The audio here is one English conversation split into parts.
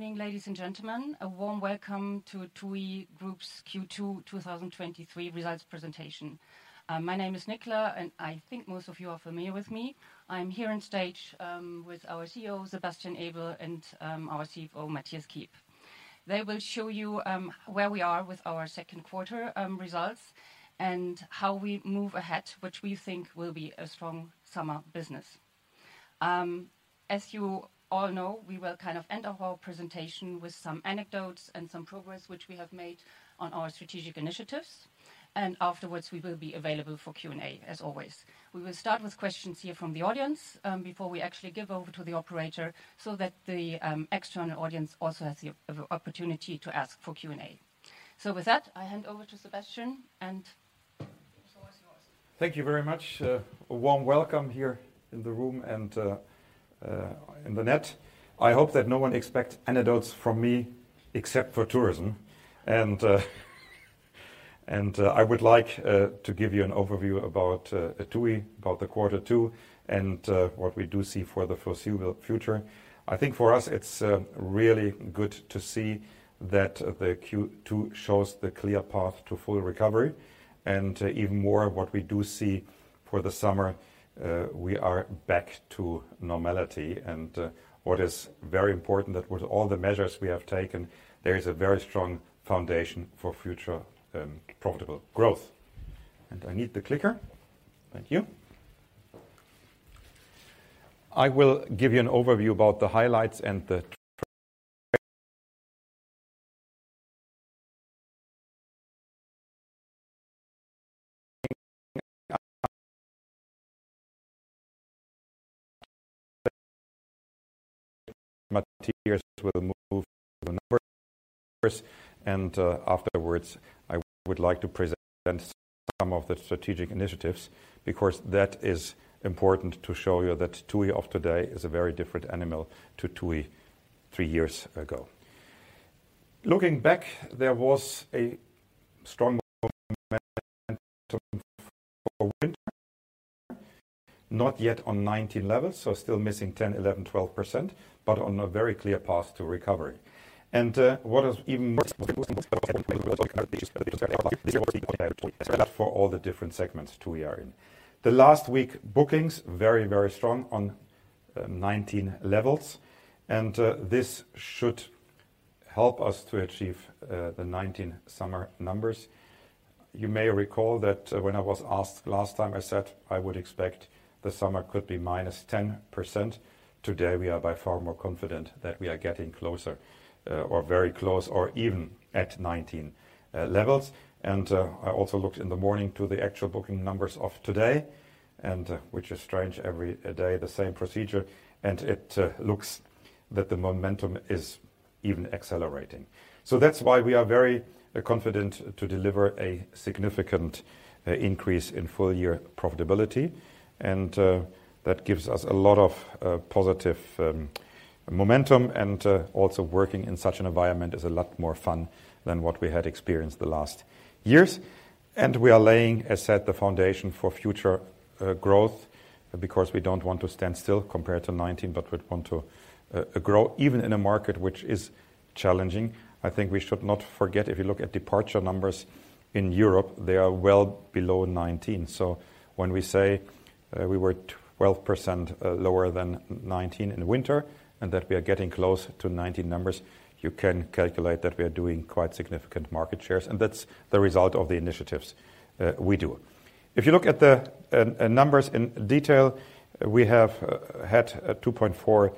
Morning, ladies and gentlemen. A warm welcome to TUI Group's Q2 2023 results presentation. My name is Nicola, and I think most of you are familiar with me. I'm here on stage with our CEO, Sebastian Ebel, and our CFO, Mathias Kiep. They will show you where we are with our second quarter results and how we move ahead, which we think will be a strong summer business. As you all know, we will kind of end our presentation with some anecdotes and some progress which we have made on our strategic initiatives. Afterwards, we will be available for Q&A as always. We will start with questions here from the audience before we actually give over to the operator, so that the external audience also has the opportunity to ask for Q&A. With that, I hand over to Sebastian and the floor is yours. Thank you very much. A warm welcome here in the room and in the net. I hope that no one expects anecdotes from me except for tourism. I would like to give you an overview about TUI, about the quarter two and what we do see for the foreseeable future. I think for us it's really good to see that the Q2 shows the clear path to full recovery and even more what we do see for the summer, we are back to normality. What is very important that with all the measures we have taken, there is a very strong foundation for future profitable growth. I need the clicker. Thank you. I will give you an overview about the highlights and afterwards, I would like to present some of the strategic initiatives because that is important to show you that TUI of today is a very different animal to TUI three years ago. Looking back, there was a strong for winter, not yet on 19 levels, so still missing 10, 11, 12%, but on a very clear path to recovery. What is even for all the different segments TUI are in. The last week bookings very, very strong on 19 levels and this should help us to achieve the 19 summer numbers. You may recall that when I was asked last time, I said I would expect the summer could be -10%. Today, we are by far more confident that we are getting closer, or very close or even at 19 levels. I also looked in the morning to the actual booking numbers of today, which is strange every day the same procedure, and it looks that the momentum is even accelerating. That's why we are very confident to deliver a significant increase in full year profitability. That gives us a lot of positive momentum. Also working in such an environment is a lot more fun than what we had experienced the last years. We are laying, as said, the foundation for future growth because we don't want to stand still compared to 19, but we want to grow even in a market which is challenging. I think we should not forget, if you look at departure numbers in Europe, they are well below 2019. When we say, we were 12% lower than 2019 in winter and that we are getting close to 2019 numbers, you can calculate that we are doing quite significant market shares, and that's the result of the initiatives we do. If you look at the numbers in detail, we have had 2.4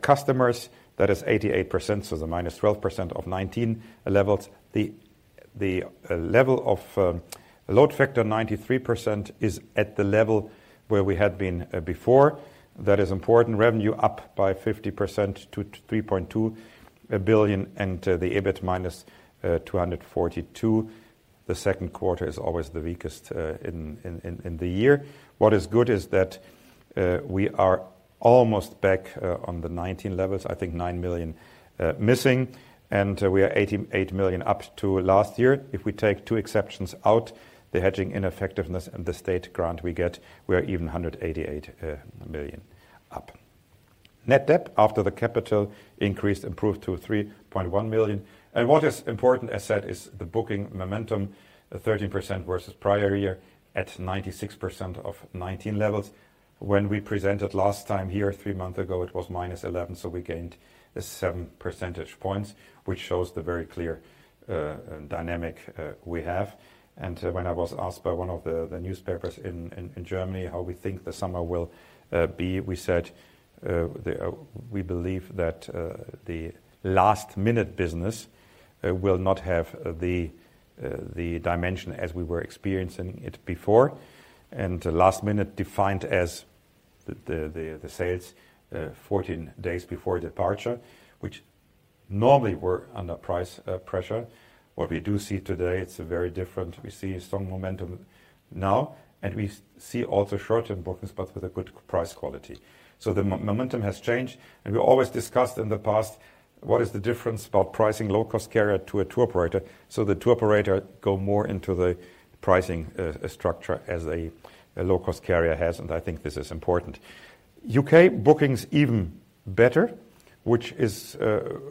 customers. That is 88%, so the -12% of 2019 levels. The level of load factor, 93% is at the level where we had been before. That is important. Revenue up by 50% to 3.2 billion and the EBIT -242 million. The 2Q is always the weakest in the year. What is good is that we are almost back on the 19 levels, I think 9 million missing, and we are 88 million up to last year. If we take two exceptions out, the hedging ineffectiveness and the state grant we get, we are even 188 million up. Net debt after the capital increase improved to 3.1 million. What is important, as said, is the booking momentum, 13% versus prior year at 96% of 19 levels. When we presented last time here 3 months ago, it was -11%, so we gained 7 percentage points, which shows the very clear dynamic we have. When I was asked by one of the newspapers in Germany how we think the summer will be, we said we believe that the last minute business will not have the dimension as we were experiencing it before. Last minute defined as the sales 14 days before departure, which normally were under price pressure. What we do see today, it is very different. We see strong momentum now, and we see also short-term bookings, but with a good price quality. The momentum has changed. We always discussed in the past what is the difference about pricing low cost carrier to a tour operator? The tour operator go more into the pricing structure as a low cost carrier has. I think this is important. U.K. bookings even better, which is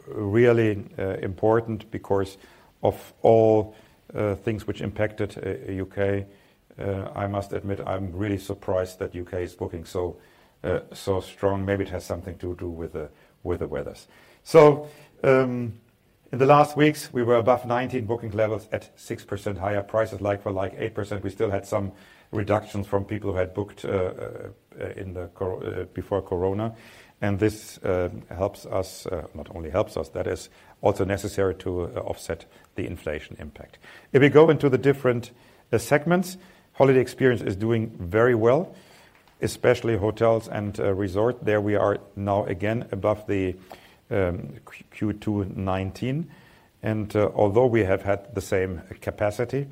really important because of all things which impacted U.K. I must admit, I'm really surprised that U.K. is booking so strong. Maybe it has something to do with the, with the weathers. In the last weeks, we were above 19 booking levels at 6% higher prices, like for like 8%. We still had some reductions from people who had booked before Corona. This helps us, not only helps us, that is also necessary to offset the inflation impact. We go into the different segments, holiday experience is doing very well, especially hotels and resort. There we are now again above the Q2 2019. Although we have had the same capacity,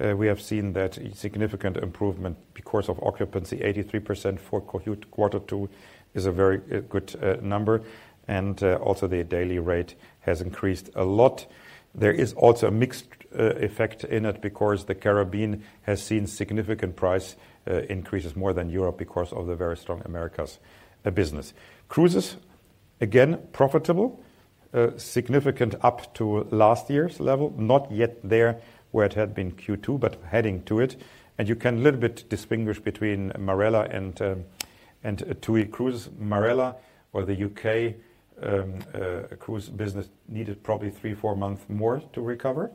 we have seen that significant improvement because of occupancy. 83% for Q2 is a very good number. Also the daily rate has increased a lot. There is also a mixed effect in it because the Caribbean has seen significant price increases more than Europe because of the very strong Americas business. Cruises, again, profitable, significant up to last year's level. Not yet there where it had been Q2, but heading to it. You can a little bit distinguish between Marella and TUI Cruise. Marella or the UK cruise business needed probably 3, 4 months more to recover.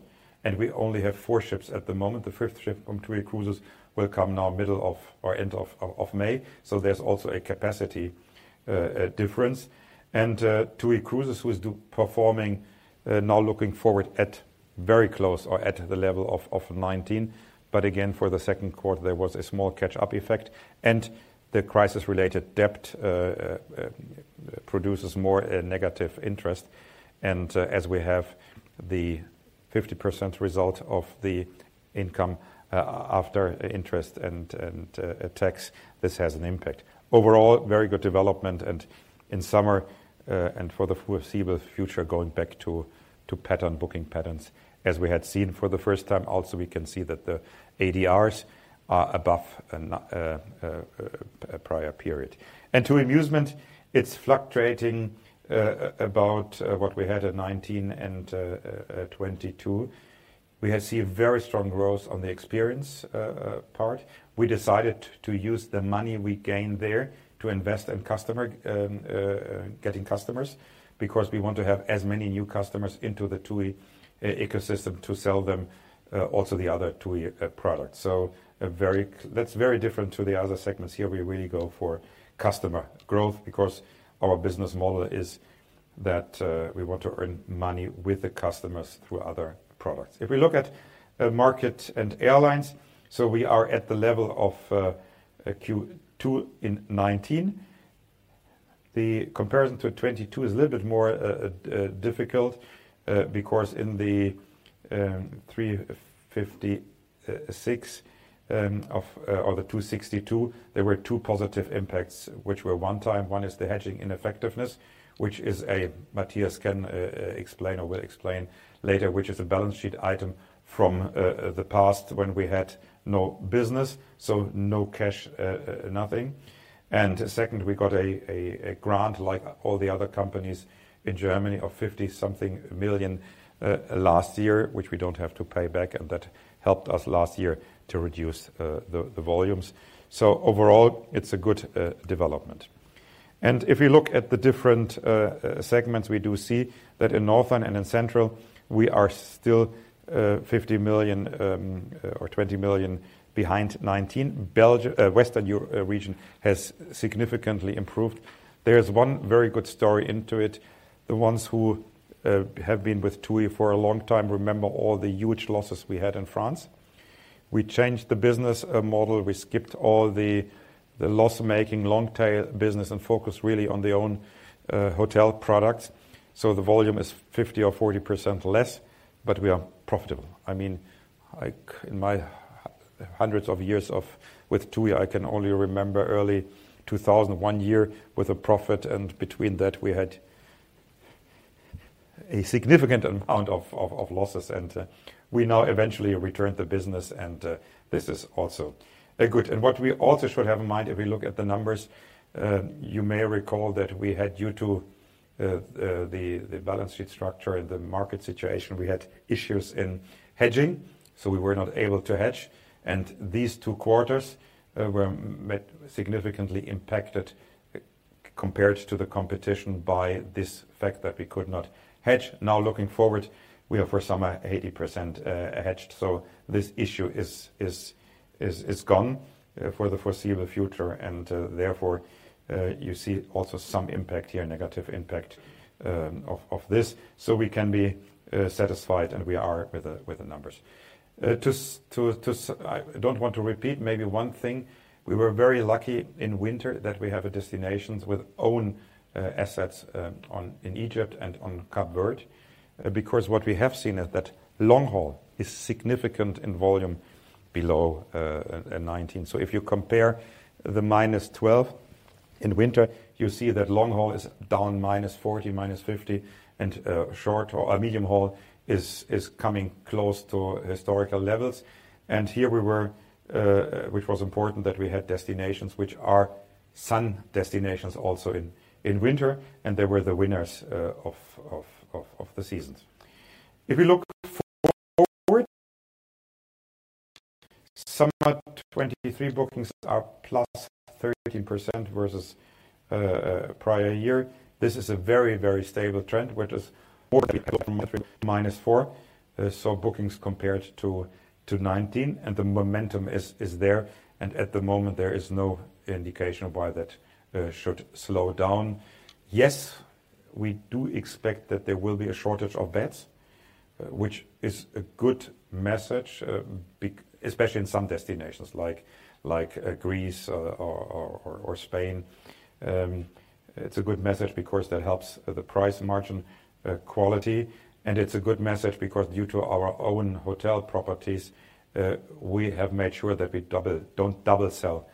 We only have 4 ships at the moment. The 5th ship from TUI Cruises will come now middle of or end of May. There's also a capacity difference. TUI Cruises who is performing now looking forward at very close or at the level of 19. Again, for the second quarter, there was a small catch-up effect and the crisis-related debt produces more negative interest. As we have the 50% result of the income after interest and tax, this has an impact. Overall, very good development and in summer and for the foreseeable future, going back to pattern, booking patterns as we had seen for the first time. Also, we can see that the ADRs are above a prior period. To Musement, it's fluctuating about what we had at 19 and 22. We have seen very strong growth on the experience part. We decided to use the money we gained there to invest in customer getting customers because we want to have as many new customers into the TUI e-ecosystem to sell them also the other TUI products. That's very different to the other segments. Here we really go for customer growth because our business model is that we want to earn money with the customers through other products. If we look at market and airlines, we are at the level of Q2 in 2019. The comparison to 2022 is a little bit more difficult because in the 356 or the 262, there were two positive impacts which were one-time. One is the hedging ineffectiveness. Mathias can explain or will explain later, which is a balance sheet item from the past when we had no business, so no cash, nothing. Second, we got a grant like all the other companies in Germany of 50 something million last year, which we don't have to pay back, and that helped us last year to reduce the volumes. Overall, it's a good development. If you look at the different segments, we do see that in Northern and in Central, we are still 50 million or 20 million behind 2019. Belgium, Western EU region has significantly improved. There is one very good story into it. The ones who have been with TUI for a long time remember all the huge losses we had in France. We changed the business model. We skipped all the loss-making long tail business and focused really on the own hotel products. The volume is 50% or 40% less, but we are profitable. I mean, like in my hundreds of years with TUI, I can only remember early 2001 year with a profit, and between that, we had a significant amount of losses. We now eventually returned the business, and this is also a good. What we also should have in mind if we look at the numbers, you may recall that we had due to the balance sheet structure and the market situation, we had issues in hedging, so we were not able to hedge. These two quarters were significantly impacted compared to the competition by this fact that we could not hedge. Now looking forward, we are for summer 80% hedged. This issue is gone for the foreseeable future. Therefore, you see also some impact here, negative impact of this. We can be satisfied, and we are with the numbers. Just to I don't want to repeat maybe one thing. We were very lucky in winter that we have destinations with own assets in Egypt and on Cape Verde. What we have seen is that long haul is significant in volume below 19. If you compare the minus 12 in winter, you see that long haul is down minus 40, minus 50, and short or medium haul is coming close to historical levels. Here we were, which was important that we had destinations which are Sun destinations also in winter, and they were the winners of the seasons. If you look forward, summer 23 bookings are +13% versus prior year. This is a very, very stable trend, which is more than we had hoped -4%. Bookings compared to 19, and the momentum is there. At the moment there is no indication of why that should slow down. Yes, we do expect that there will be a shortage of beds, which is a good message, especially in some destinations like Greece or Spain. It's a good message because that helps the price margin quality. It's a good message because due to our own hotel properties, we have made sure that we don't double sell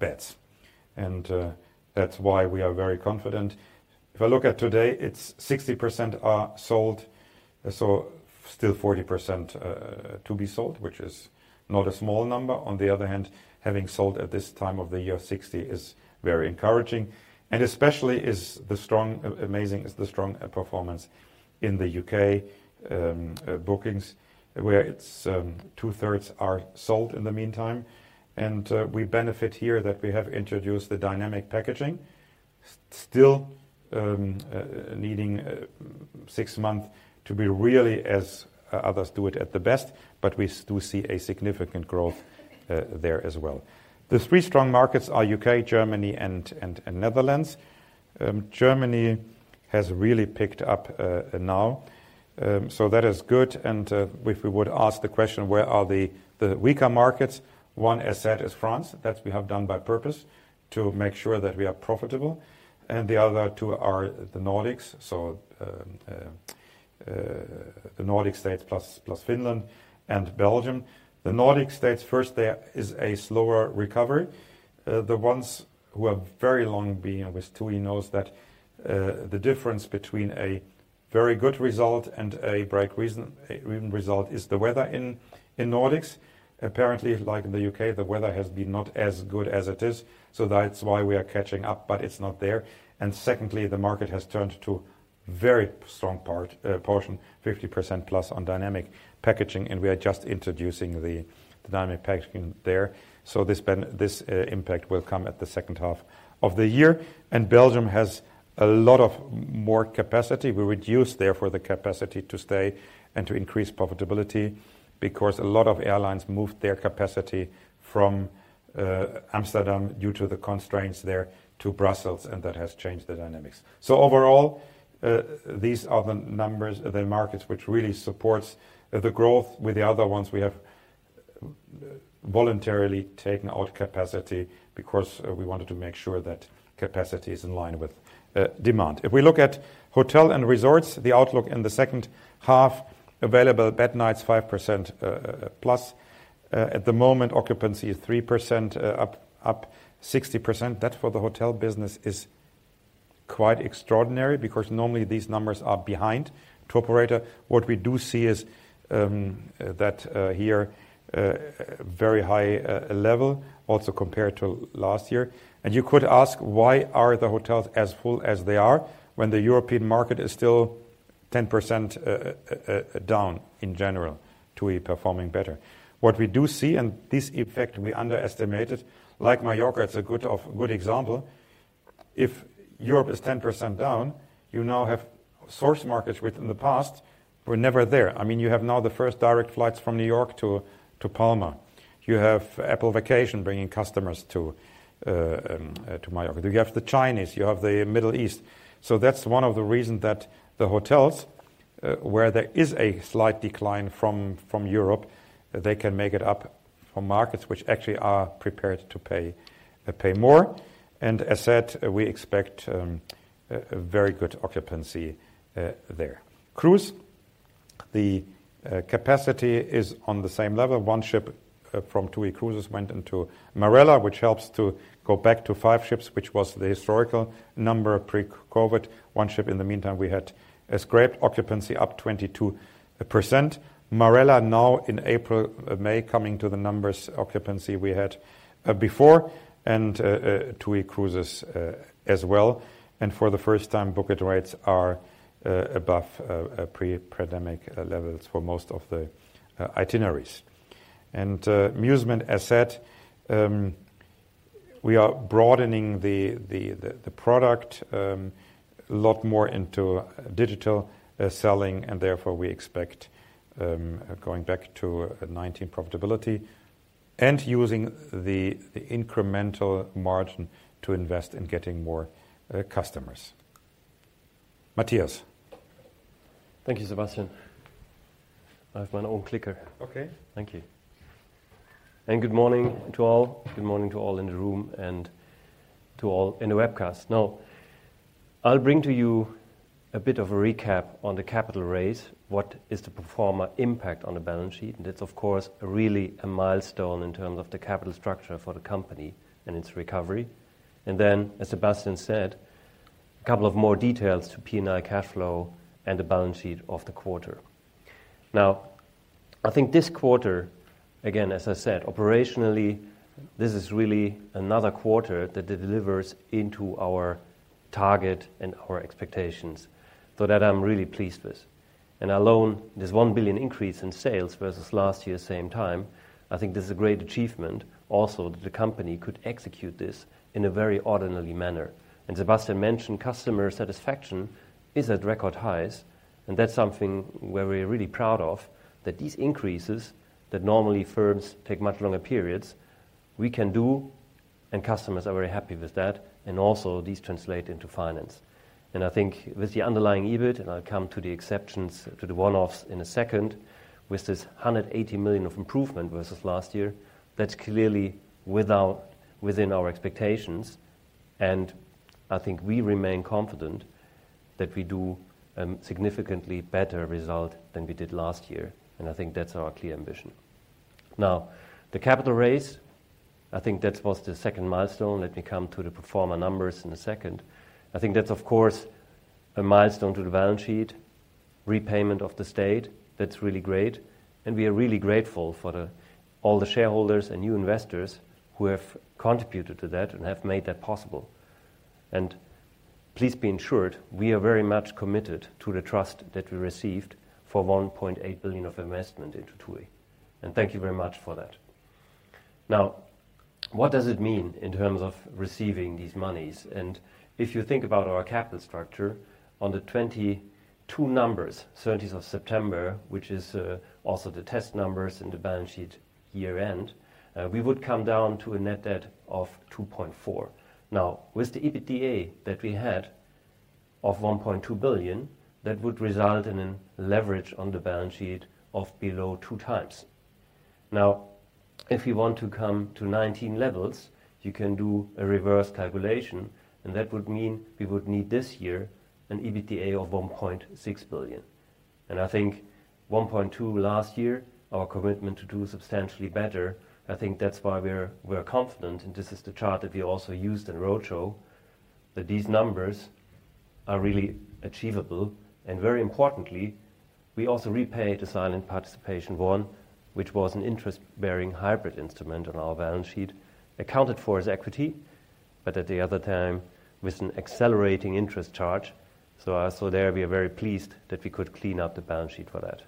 beds. That's why we are very confident. If I look at today, it's 60% are sold, so still 40% to be sold, which is not a small number. On the other hand, having sold at this time of the year, 60 is very encouraging. Especially amazing is the strong performance in the UK bookings, where it's two-thirds are sold in the meantime. We benefit here that we have introduced the dynamic packaging. Still needing 6 months to be really as others do it at the best, but we do see a significant growth there as well. The 3 strong markets are UK, Germany and Netherlands. Germany has really picked up now, so that is good. If we would ask the question, where are the weaker markets? One asset is France. That we have done by purpose to make sure that we are profitable. The other two are the Nordics. The Nordic States plus Finland and Belgium. The Nordic States, first, there is a slower recovery. The ones who have very long been, which TUI knows that, the difference between a very good result and an even result is the weather in Nordics. Apparently, like in the U.K., the weather has been not as good as it is. That's why we are catching up, but it's not there. Secondly, the market has turned to very strong part, portion, 50% plus on dynamic packaging. We are just introducing the dynamic packaging there. This impact will come at the second half of the year. Belgium has a lot of more capacity. We reduced therefore the capacity to stay and to increase profitability because a lot of airlines moved their capacity from Amsterdam due to the constraints there to Brussels, and that has changed the dynamics. Overall, these are the numbers, the markets, which really supports the growth. With the other ones, we have voluntarily taken out capacity because we wanted to make sure that capacity is in line with demand. If we look at hotel and resorts, the outlook in the second half available, bed nights 5% plus. At the moment, occupancy is 3%, up 60%. That for the hotel business is quite extraordinary because normally these numbers are behind tour operator. What we do see is that here very high level also compared to last year. You could ask, why are the hotels as full as they are when the European market is still 10% down in general? TUI performing better. What we do see, this effect we underestimated, like Mallorca, it's a good example. If Europe is 10% down, you now have source markets which in the past were never there. I mean, you have now the first direct flights from New York to Palma. You have Apple Vacations bringing customers to Mallorca. You have the Chinese. You have the Middle East. That's one of the reasons that the hotels, where there is a slight decline from Europe, they can make it up from markets which actually are prepared to pay more. As said, we expect a very good occupancy there. Cruise, the capacity is on the same level. One ship from TUI Cruises went into Marella, which helps to go back to five ships, which was the historical number pre-COVID. One ship in the meantime, we had scraped. Occupancy up 22%. Marella now in April, May, coming to the numbers occupancy we had before and TUI Cruises as well. For the first time, booking rates are above pre-pandemic levels for most of the itineraries. Musement, as said, we are broadening the product a lot more into digital selling, and therefore we expect going back to 2019 profitability and using the incremental margin to invest in getting more customers. Mathias. Thank you, Sebastian. I have my own clicker. Okay. Thank you. Good morning to all. Good morning to all in the room and to all in the webcast. I'll bring to you a bit of a recap on the capital raise. What is the performer impact on the balance sheet? It's of course really a milestone in terms of the capital structure for the company and its recovery. As Sebastian Ebel said, a couple of more details to P&I cash flow and the balance sheet of the quarter. I think this quarter, again, as I said, operationally, this is really another quarter that delivers into our target and our expectations. That I'm really pleased with. Alone, this 1 billion increase in sales versus last year's same time, I think this is a great achievement. Also, the company could execute this in a very ordinary manner. Sebastian mentioned customer satisfaction is at record highs, and that's something where we're really proud of, that these increases that normally firms take much longer periods, we can do, and customers are very happy with that, and also these translate into finance. I think with the underlying EBIT, and I'll come to the exceptions, to the one-offs in a second, with this 180 million of improvement versus last year, that's clearly within our expectations. I think we remain confident that we do significantly better result than we did last year. I think that's our clear ambition. Now, the capital raise, I think that was the second milestone. Let me come to the performer numbers in a second. I think that's of course a milestone to the balance sheet, repayment of the state. That's really great. We are really grateful for all the shareholders and new investors who have contributed to that and have made that possible. Please be ensured, we are very much committed to the trust that we received for 1.8 billion of investment into TUI. Thank you very much for that. Now, what does it mean in terms of receiving these monies? If you think about our capital structure on the 2022 numbers, 30th of September, which is also the test numbers in the balance sheet year-end, we would come down to a net debt of 2.4 billion. Now, with the EBITDA that we had of 1.2 billion, that would result in a leverage on the balance sheet of below 2 times. If you want to come to 19 levels, you can do a reverse calculation, that would mean we would need this year an EBITDA of 1.6 billion. I think 1.2 billion last year, our commitment to do substantially better, I think that's why we're confident, this is the chart that we also used in roadshow, that these numbers are really achievable. Very importantly, we also repay the Silent Participation I, which was an interest-bearing hybrid instrument on our balance sheet, accounted for as equity, at the other time, with an accelerating interest charge. There we are very pleased that we could clean up the balance sheet for that.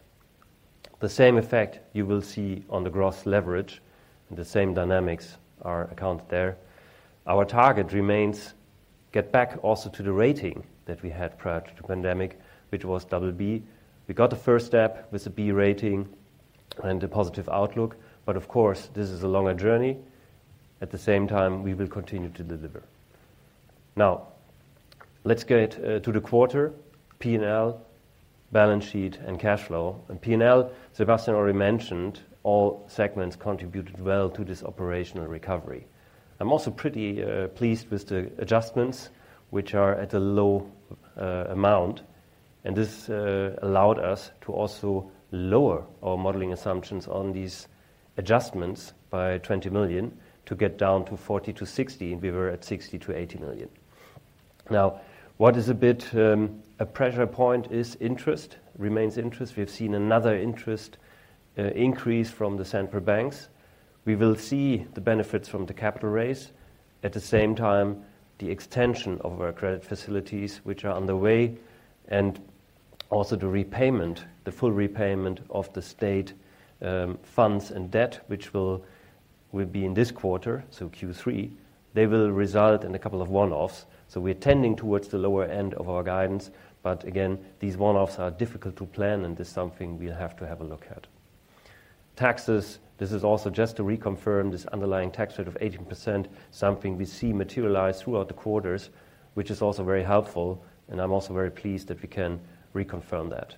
The same effect you will see on the gross leverage, the same dynamics are accounted there. Our target remains get back also to the rating that we had prior to the pandemic, which was BB. We got the first step with the B rating and a positive outlook. Of course, this is a longer journey. At the same time, we will continue to deliver. Let's get to the quarter, P&L, balance sheet, and cash flow. P&L, Sebastian already mentioned all segments contributed well to this operational recovery. I'm also pretty pleased with the adjustments, which are at a low amount. This allowed us to also lower our modeling assumptions on these adjustments by 20 million to get down to 40 million-60 million, and we were at 60 million-80 million. What is a bit a pressure point is interest, remains interest. We have seen another interest increase from the central banks. We will see the benefits from the capital raise. At the same time, the extension of our credit facilities, which are on the way, and also the repayment, the full repayment of the state funds and debt, which will be in this quarter, so Q3, they will result in a couple of one-offs. We're tending towards the lower end of our guidance. Again, these one-offs are difficult to plan, and it's something we'll have to have a look at. Taxes, this is also just to reconfirm this underlying tax rate of 18%, something we see materialize throughout the quarters, which is also very helpful. I'm also very pleased that we can reconfirm that.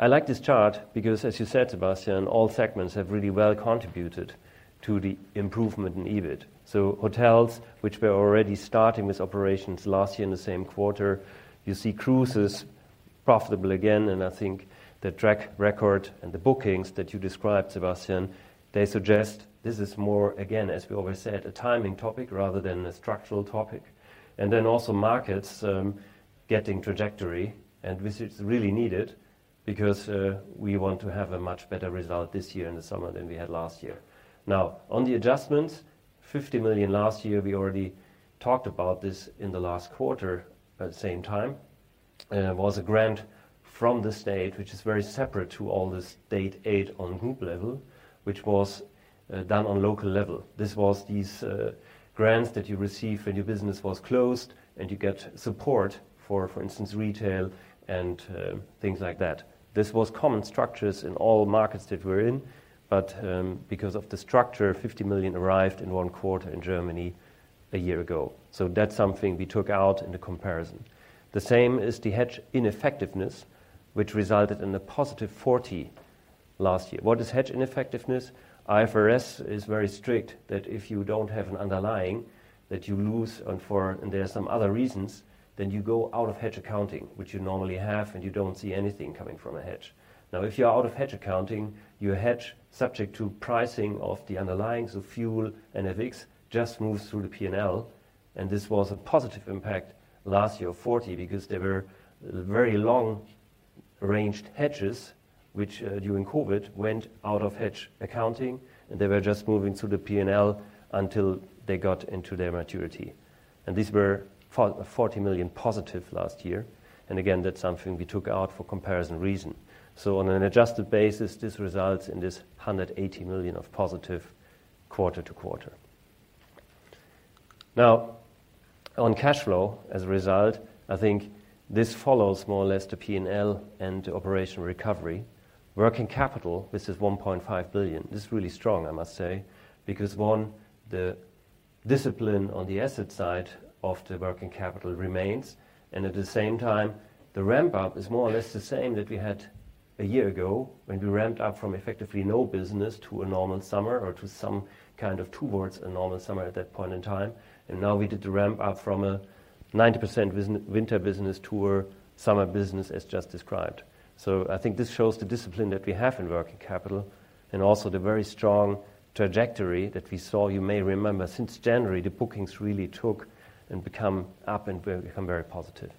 I like this chart because as you said, Sebastian, all segments have really well contributed to the improvement in EBIT. Hotels, which were already starting with operations last year in the same quarter. You see cruises profitable again, and I think the track record and the bookings that you described, Sebastian, they suggest this is more, again, as we always said, a timing topic rather than a structural topic. Also markets getting trajectory, and this is really needed because we want to have a much better result this year in the summer than we had last year. On the adjustments, 50 million last year, we already talked about this in the last quarter at the same time, was a grant from the state, which is very separate to all the state aid on group level, which was done on local level. This was these grants that you receive when your business was closed, and you get support for instance, retail and things like that. This was common structures in all markets that we're in. Because of the structure, 50 million arrived in one quarter in Germany a year ago. That's something we took out in the comparison. The same is the hedge ineffectiveness, which resulted in a positive 40 last year. What is hedge ineffectiveness? IFRS is very strict that if you don't have an underlying that you lose and there are some other reasons, then you go out of hedge accounting, which you normally have, and you don't see anything coming from a hedge. If you're out of hedge accounting, your hedge subject to pricing of the underlying, so fuel and FX, just moves through the P&L. This was a positive impact last year, 40, because there were very long-ranged hedges which during COVID went out of hedge accounting, and they were just moving to the P&L until they got into their maturity. These were for 40 million positive last year, again, that's something we took out for comparison reason. On an adjusted basis, this results in this 180 million of positive quarter-to-quarter. On cash flow as a result, I think this follows more or less the P&L and the operational recovery. Working capital, this is 1.5 billion. This is really strong, I must say, because, one, the discipline on the asset side of the working capital remains. At the same time, the ramp up is more or less the same that we had a year ago when we ramped up from effectively no business to a normal summer or to some kind of towards a normal summer at that point in time. Now we did the ramp up from a 90% winter business to a summer business as just described. I think this shows the discipline that we have in working capital and also the very strong trajectory that we saw. You may remember since January, the bookings really took and become up and become very positive.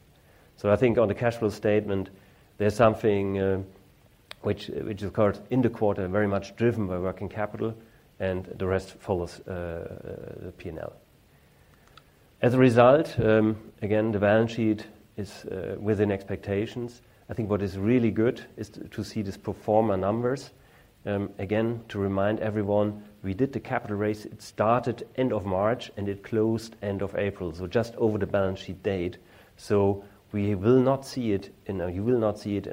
I think on the cash flow statement, there's something which occurred in the quarter, very much driven by working capital, and the rest follows the P&L. As a result, again, the balance sheet is within expectations. I think what is really good is to see these pro forma numbers. Again, to remind everyone, we did the capital raise. It started end of March, and it closed end of April, so just over the balance sheet date. We will not see it in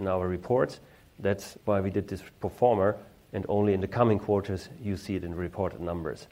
our reports. That's why we did this pro forma, and only in the coming quarters you see it in reported numbers.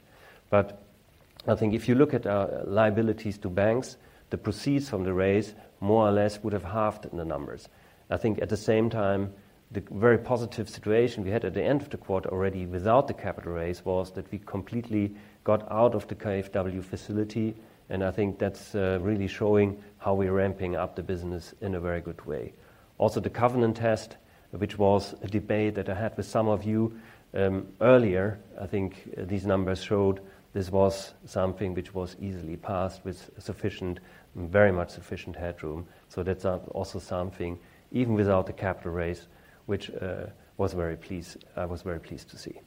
I think if you look at our liabilities to banks, the proceeds from the raise more or less would have halved in the numbers. I think at the same time, the very positive situation we had at the end of the quarter already without the capital raise was that we completely got out of the KfW facility, and I think that's really showing how we're ramping up the business in a very good way. The covenant test, which was a debate that I had with some of you earlier, I think these numbers showed this was something which was easily passed with sufficient, very much sufficient headroom. That's also something, even without the capital raise, which I was very pleased to see.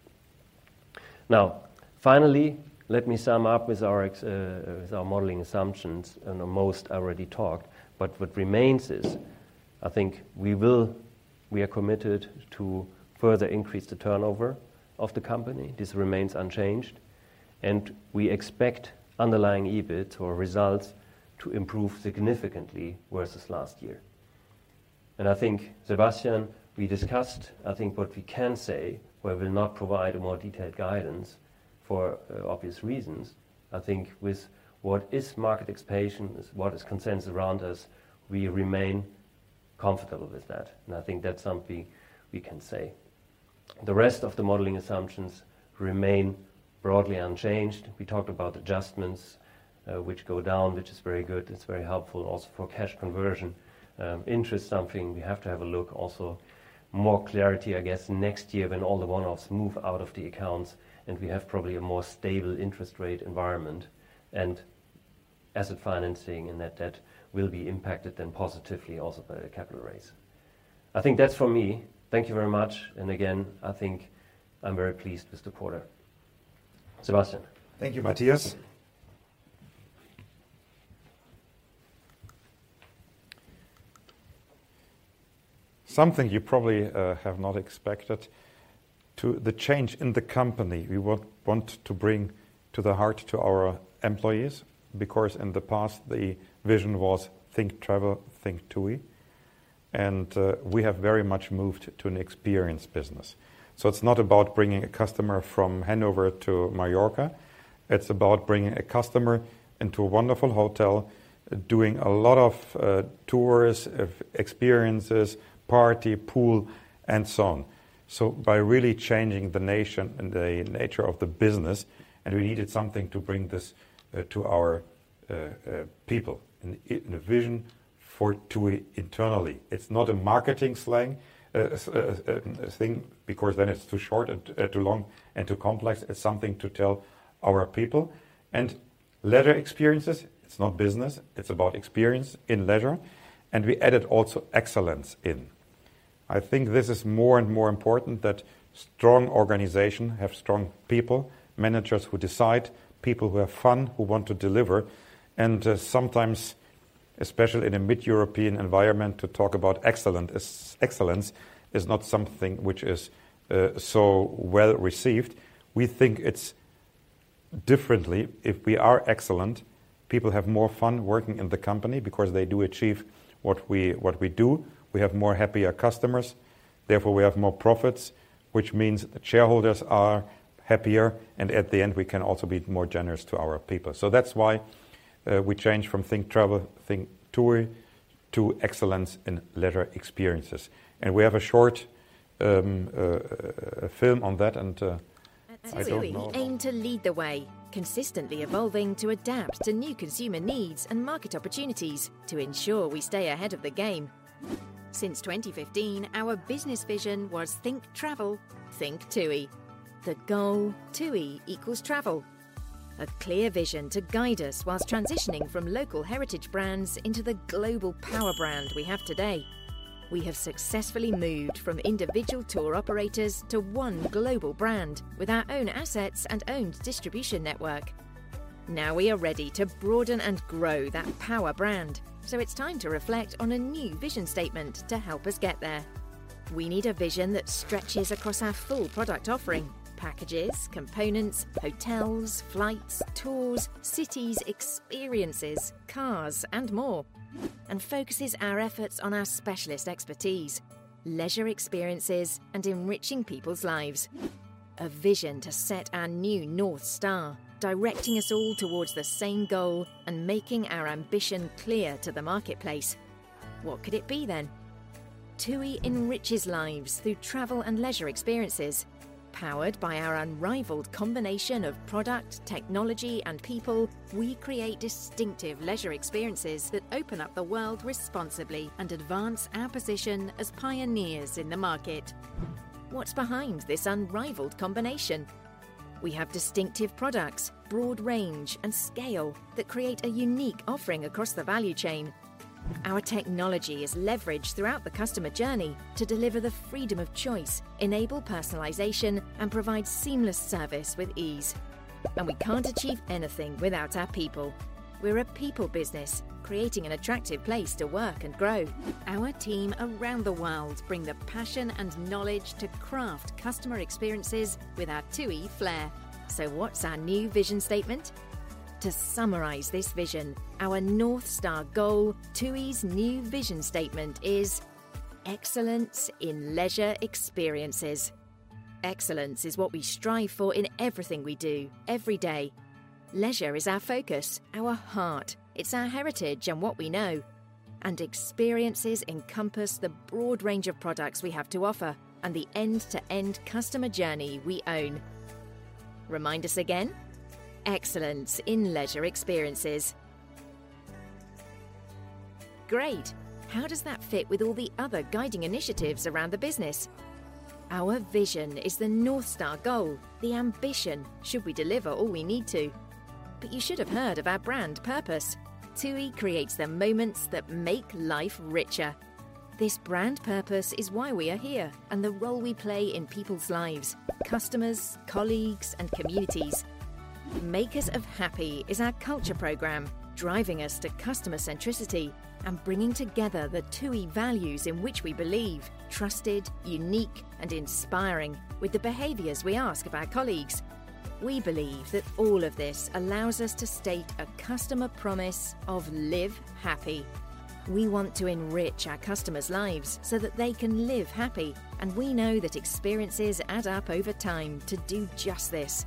Finally, let me sum up with our modeling assumptions. I know most I already talked, but what remains is, I think we are committed to further increase the turnover of the company. This remains unchanged. We expect underlying EBIT or results to improve significantly versus last year. I think, Sebastian, we discussed, I think what we can say, where we'll not provide a more detailed guidance for obvious reasons. I think with what is market expectation, what is consensus around us, we remain comfortable with that, and I think that's something we can say. The rest of the modeling assumptions remain broadly unchanged. We talked about adjustments, which go down, which is very good. It's very helpful also for cash conversion. Interest something we have to have a look also. More clarity, I guess, next year when all the one-offs move out of the accounts, and we have probably a more stable interest rate environment and asset financing and net debt will be impacted then positively also by the capital raise. I think that's for me. Thank you very much. Again, I think I'm very pleased with the quarter. Sebastian. Thank you, Mathias. Something you probably have not expected, the change in the company. We want to bring to the heart to our employees, because in the past, the vision was think travel, think TUI. We have very much moved to an experience business. It's not about bringing a customer from Hanover to Mallorca. It's about bringing a customer into a wonderful hotel, doing a lot of tours, of experiences, party, pool, and so on. By really changing the nature of the business, we needed something to bring this to our people and a vision for TUI internally. It's not a marketing slang thing, because then it's too short and too long and too complex. It's something to tell our people. Leisure experiences, it's not business. It's about experience in leisure. We added also excellence in. I think this is more and more important that strong organization have strong people, managers who decide, people who have fun, who want to deliver. Sometimes, especially in a mid-European environment, to talk about excellence is not something which is so well received. We think it's differently. If we are excellent, people have more fun working in the company because they do achieve what we, what we do. We have more happier customers, therefore we have more profits, which means shareholders are happier, and at the end, we can also be more generous to our people. That's why we change from think travel, think TUI, to excellence in leisure experiences. We have a short film on that, and I don't know about- At TUI, we aim to lead the way, consistently evolving to adapt to new consumer needs and market opportunities to ensure we stay ahead of the game. Since 2015, our business vision was think travel, think TUI. The goal TUI equals travel. A clear vision to guide us whilst transitioning from local heritage brands into the global power brand we have today. We have successfully moved from individual tour operators to one global brand with our own assets and owned distribution network. We are ready to broaden and grow that power brand, so it's time to reflect on a new vision statement to help us get there. We need a vision that stretches across our full product offering: packages, components, hotels, flights, tours, cities, experiences, cars and more, and focuses our efforts on our specialist expertise, leisure experiences and enriching people's lives. A vision to set our new North Star, directing us all towards the same goal and making our ambition clear to the marketplace. What could it be then? TUI enriches lives through travel and leisure experiences. Powered by our unrivaled combination of product, technology and people, we create distinctive leisure experiences that open up the world responsibly and advance our position as pioneers in the market. What's behind this unrivaled combination? We have distinctive products, broad range and scale that create a unique offering across the value chain. Our technology is leveraged throughout the customer journey to deliver the freedom of choice, enable personalization, and provide seamless service with ease. We can't achieve anything without our people. We're a people business, creating an attractive place to work and grow. Our team around the world bring the passion and knowledge to craft customer experiences with our TUI flair. What's our new vision statement? To summarize this vision, our North Star goal, TUI's new vision statement is excellence in leisure experiences. Excellence is what we strive for in everything we do every day. Leisure is our focus, our heart. It's our heritage and what we know. Experiences encompass the broad range of products we have to offer and the end-to-end customer journey we own. Remind us again. Excellence in leisure experiences. Great. How does that fit with all the other guiding initiatives around the business? Our vision is the North Star goal. The ambition should we deliver all we need to. You should have heard of our brand purpose. TUI creates the moments that make life richer. This brand purpose is why we are here and the role we play in people's lives, customers, colleagues and communities. Makers of Happy is our culture program, driving us to customer centricity and bringing together the TUI values in which we believe: trusted, unique and inspiring with the behaviors we ask of our colleagues. We believe that all of this allows us to state a customer promise of Live Happy. We want to enrich our customers' lives so that they can Live Happy, and we know that experiences add up over time to do just this.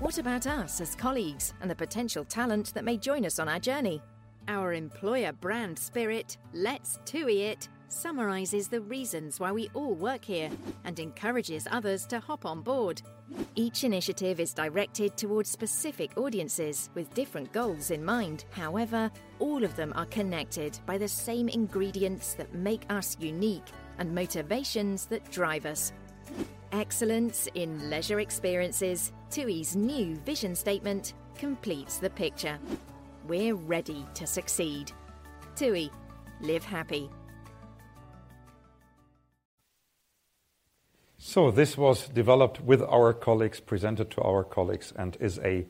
What about us as colleagues and the potential talent that may join us on our journey? Our employer brand spirit, Let's TUI it, summarizes the reasons why we all work here and encourages others to hop on board. Each initiative is directed towards specific audiences with different goals in mind. However, all of them are connected by the same ingredients that make us unique and motivations that drive us. Excellence in leisure experiences, TUI's new vision statement completes the picture. We're ready to succeed. TUI: Live Happy. This was developed with our colleagues, presented to our colleagues, and is a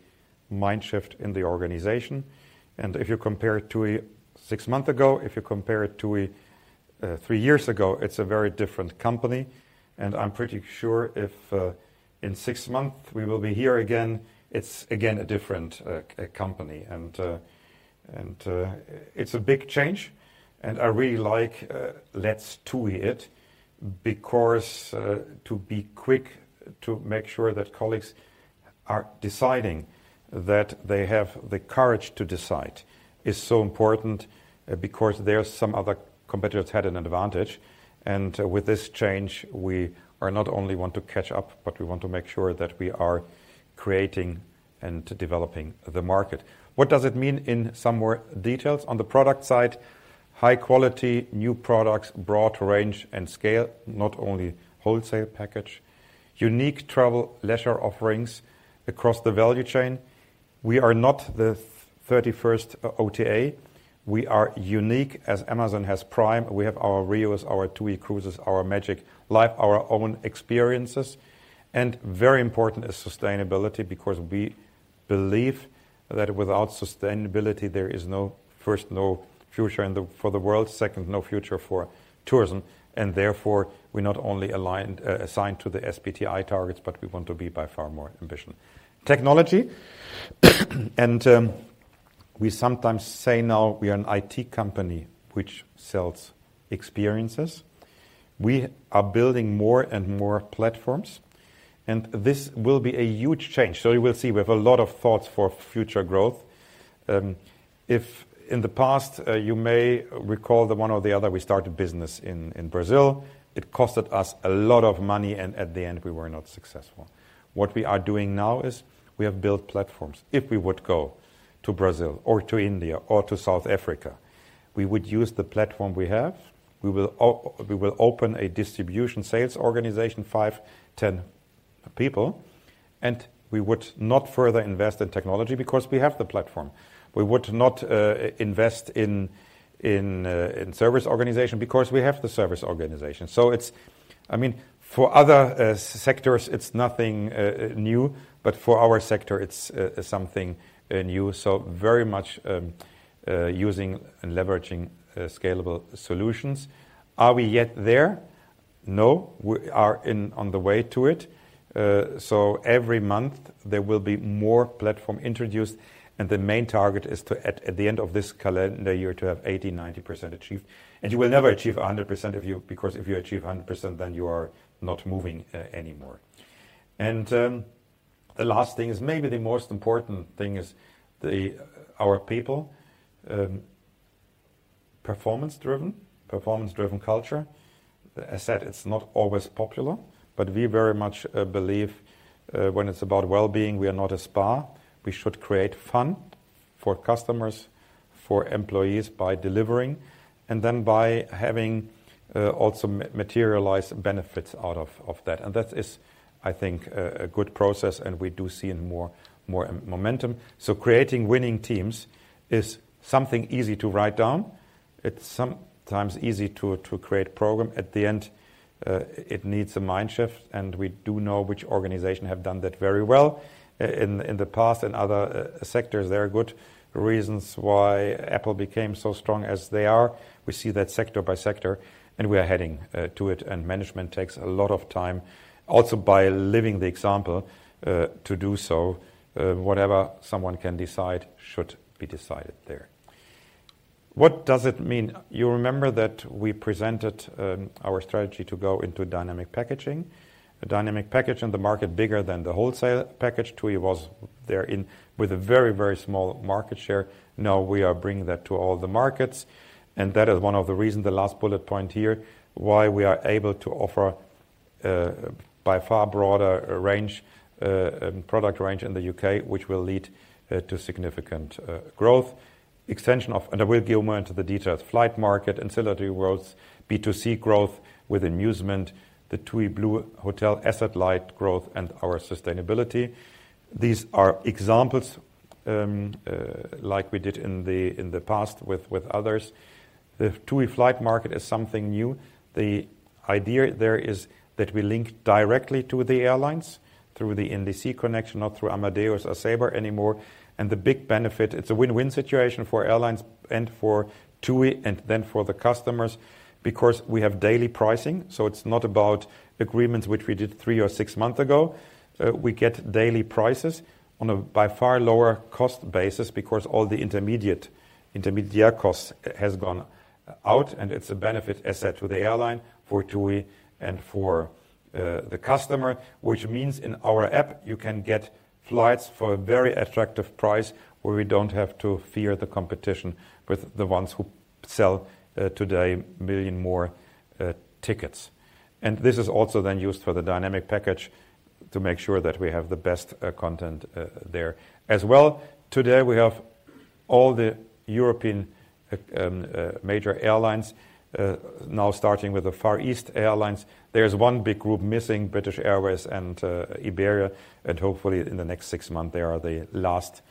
mind shift in the organization. If you compare TUI 6 months ago, if you compare TUI 3 years ago, it's a very different company and I'm pretty sure if in 6 months we will be here again, it's again a different company and it's a big change. I really like Let's TUI It because to be quick to make sure that colleagues are deciding that they have the courage to decide is so important because there are some other competitors had an advantage. With this change, we are not only want to catch up, but we want to make sure that we are creating and developing the market. What does it mean in some more details on the product side? High quality, new products, broad range and scale. Not only wholesale package. Unique travel leisure offerings across the value chain. We are not the 31st OTA. We are unique. As Amazon has Prime, we have our RIU, our TUI Cruises, our TUI MAGIC LIFE, our own experiences, and very important is sustainability because we believe that without sustainability there is no first no future for the world. Second, no future for tourism. Therefore we not only aligned, assigned to the SBTi targets, but we want to be by far more ambition. Technology, we sometimes say now we are an IT company which sells experiences. We are building more and more platforms and this will be a huge change. You will see we have a lot of thoughts for future growth. If in the past, you may recall the one or the other, we started business in Brazil. It cost us a lot of money, and at the end, we were not successful. What we are doing now is we have built platforms. If we would go to Brazil or to India or to South Africa, we would use the platform we have. We will open a distribution sales organization, 5, 10 people. We would not further invest in technology because we have the platform. We would not invest in service organization because we have the service organization. I mean, for other sectors, it's nothing new, but for our sector it's something new. Very much using and leveraging scalable solutions. Are we yet there? No. We are on the way to it. Every month there will be more platform introduced, and the main target is to, at the end of this calendar year, to have 80%, 90% achieved. You will never achieve 100% of you, because if you achieve 100%, then you are not moving anymore. The last thing is maybe the most important thing is our people. Performance driven. Performance driven culture. As said, it's not always popular, but we very much believe, when it's about wellbeing, we are not a spa. We should create fun for customers, for employees by delivering and then by having also materialized benefits out of that. That is, I think, a good process, and we do see in more momentum. Creating winning teams is something easy to write down. It's sometimes easy to create program. At the end, it needs a mind shift, and we do know which organization have done that very well in the past. In other sectors, there are good reasons why Apple became so strong as they are. We see that sector by sector, and we are heading to it. Management takes a lot of time also by living the example to do so. Whatever someone can decide should be decided there. What does it mean? You remember that we presented our strategy to go into dynamic packaging. A dynamic package in the market bigger than the wholesale package TUI was there in with a very small market share. Now we are bringing that to all the markets, and that is one of the reasons, the last bullet point here, why we are able to offer by far broader range, product range in the UK, which will lead to significant growth. Extension of, and I will go more into the details, flight market, ancillary growth, B2C growth with Musement, the TUI BLUE Hotel, asset-light growth, and our sustainability. These are examples like we did in the past with others. The TUI flight market is something new. The idea there is that we link directly to the airlines through the NDC connection, not through Amadeus or Sabre anymore. The big benefit, it's a win-win situation for airlines and for TUI and then for the customers, because we have daily pricing, so it's not about agreements which we did three or six months ago. We get daily prices on a by far lower cost basis because all the intermediate costs have gone out, and it's a benefit asset to the airline, for TUI and for the customer, which means in our app, you can get flights for a very attractive price where we don't have to fear the competition with the ones who sell today million more tickets. This is also then used for the dynamic package to make sure that we have the best content there. As well, today we have all the European major airlines now starting with the Far East airlines. There's one big group missing, British Airways and Iberia. Hopefully in the next 6 month, they are the last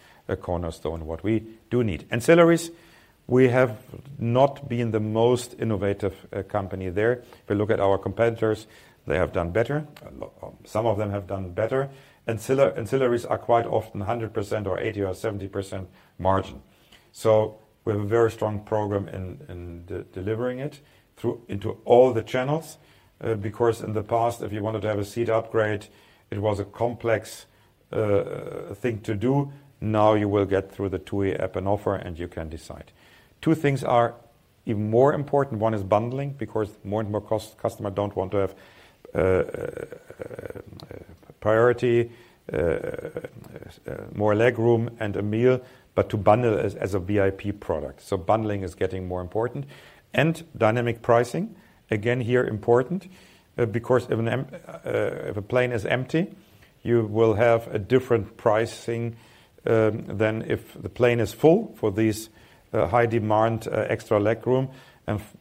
cornerstone what we do need. Ancillaries, we have not been the most innovative company there. If we look at our competitors, they have done better. Some of them have done better. Ancillaries are quite often 100% or 80% or 70% margin. We have a very strong program in delivering it through into all the channels. Because in the past, if you wanted to have a seat upgrade, it was a complex thing to do. Now you will get through the TUI app an offer, and you can decide. Two things are even more important. One is bundling, because more and more customer don't want to have priority, more legroom and a meal, but to bundle as a VIP product. Bundling is getting more important. Dynamic pricing, again here important, because if a plane is empty, you will have a different pricing than if the plane is full for these high demand, extra legroom.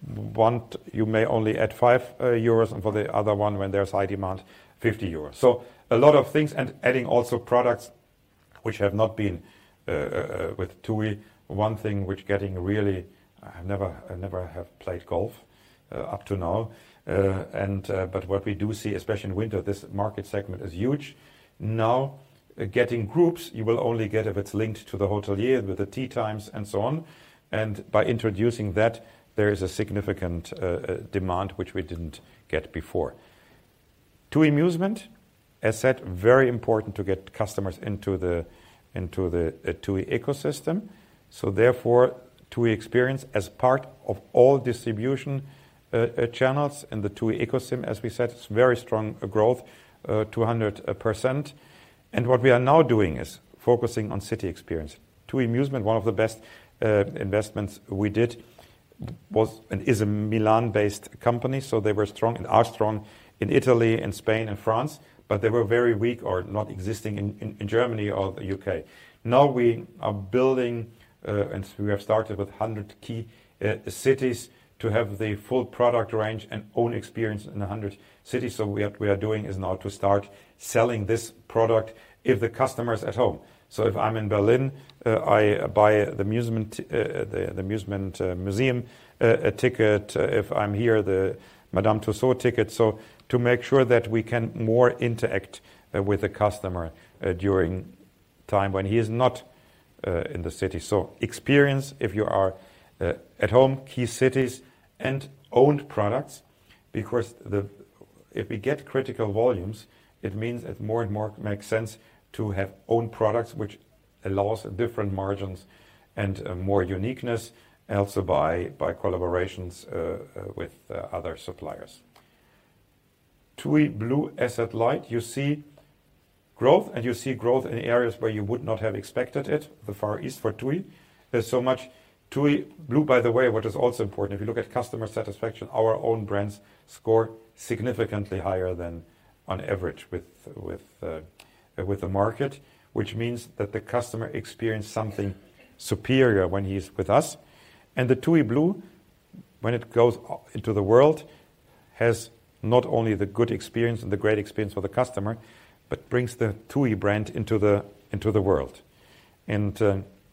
One, you may only add 5 euros, and for the other one, when there's high demand, 50 euros. A lot of things and adding also products which have not been with TUI. One thing which getting really, I never, I never have played golf up to now. What we do see, especially in winter, this market segment is huge. Now getting groups, you will only get if it's linked to the hotelier with the tee times and so on. By introducing that, there is a significant demand which we didn't get before. TUI Musement, as said, very important to get customers into the, into the TUI ecosystem. Therefore, TUI experience as part of all distribution channels and the TUI ecosystem, as we said, it's very strong growth, 200%. What we are now doing is focusing on city experience. TUI Musement, one of the best investments we did. Was and is a Milan-based company, so they were strong and are strong in Italy and Spain and France, but they were very weak or not existing in Germany or the UK. We are building, and we have started with 100 key cities to have the full product range and own experience in 100 cities. We are doing is now to start selling this product if the customer is at home. If I'm in Berlin, I buy the Musement, the Musement museum a ticket. If I'm here, the Madame Tussauds ticket. To make sure that we can more interact with the customer during time when he is not in the city. Experience if you are at home, key cities and owned products, because If we get critical volumes, it means it more and more makes sense to have own products, which allows different margins and more uniqueness also by collaborations with other suppliers. TUI BLUE asset-light. You see growth in areas where you would not have expected it. The Far East for TUI. There's so much TUI BLUE, by the way, which is also important. If you look at customer satisfaction, our own brands score significantly higher than on average with the market. Which means that the customer experience something superior when he's with us. The TUI BLUE, when it goes into the world, has not only the good experience and the great experience for the customer, but brings the TUI brand into the world.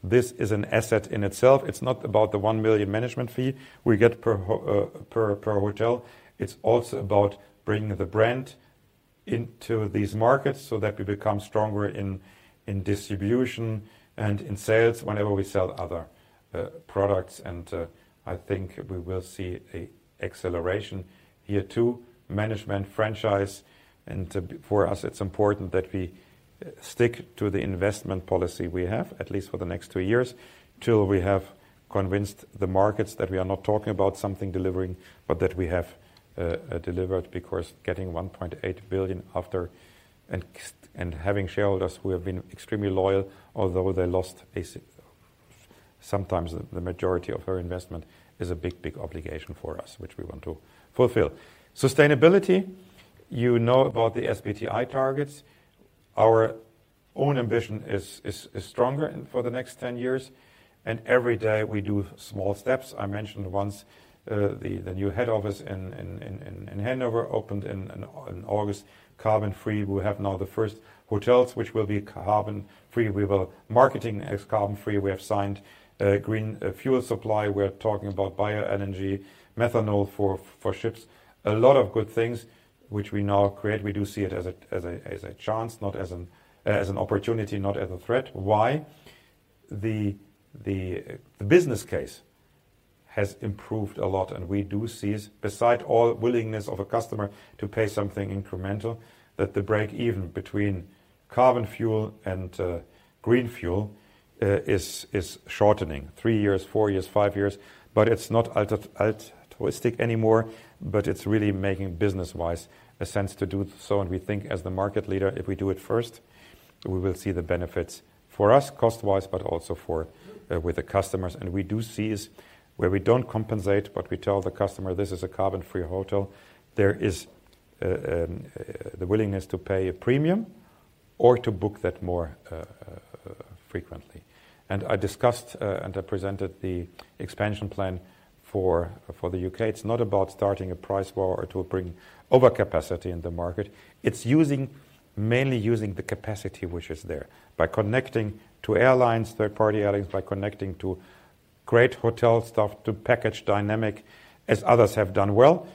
This is an asset in itself. It's not about the 1 million management fee we get per hotel. It's also about bringing the brand into these markets so that we become stronger in distribution and in sales whenever we sell other products. I think we will see a acceleration here too. Management franchise. For us, it's important that we stick to the investment policy we have, at least for the next two years, till we have convinced the markets that we are not talking about something delivering, but that we have delivered. Getting 1.8 billion after and having shareholders who have been extremely loyal, although they lost basic... Sometimes the majority of our investment is a big, big obligation for us, which we want to fulfill. Sustainability. You know about the SBTi targets. Our own ambition is stronger and for the next 10 years, and every day we do small steps. I mentioned once, the new head office in Hanover opened in August, carbon free. We have now the first hotels which will be carbon free. Marketing as carbon free. We have signed a green fuel supply. We are talking about bioenergy, methanol for ships. A lot of good things which we now create. We do see it as a chance, not as an opportunity, not as a threat. Why? The business case has improved a lot, and we do see, beside all willingness of a customer to pay something incremental, that the break-even between carbon fuel and green fuel is shortening. 3 years, 4 years, 5 years. But it's not altruistic anymore, but it's really making business-wise a sense to do so. We think as the market leader, if we do it first, we will see the benefits for us cost-wise, but also for with the customers. We do see is where we don't compensate, but we tell the customer, "This is a carbon-free hotel," there is the willingness to pay a premium or to book that more frequently. I discussed and I presented the expansion plan for the UK. It's not about starting a price war or to bring overcapacity in the market. It's using, mainly using the capacity which is there by connecting to airlines, third-party airlines, by connecting to great hotel stuff, to package dynamic, as others have done well.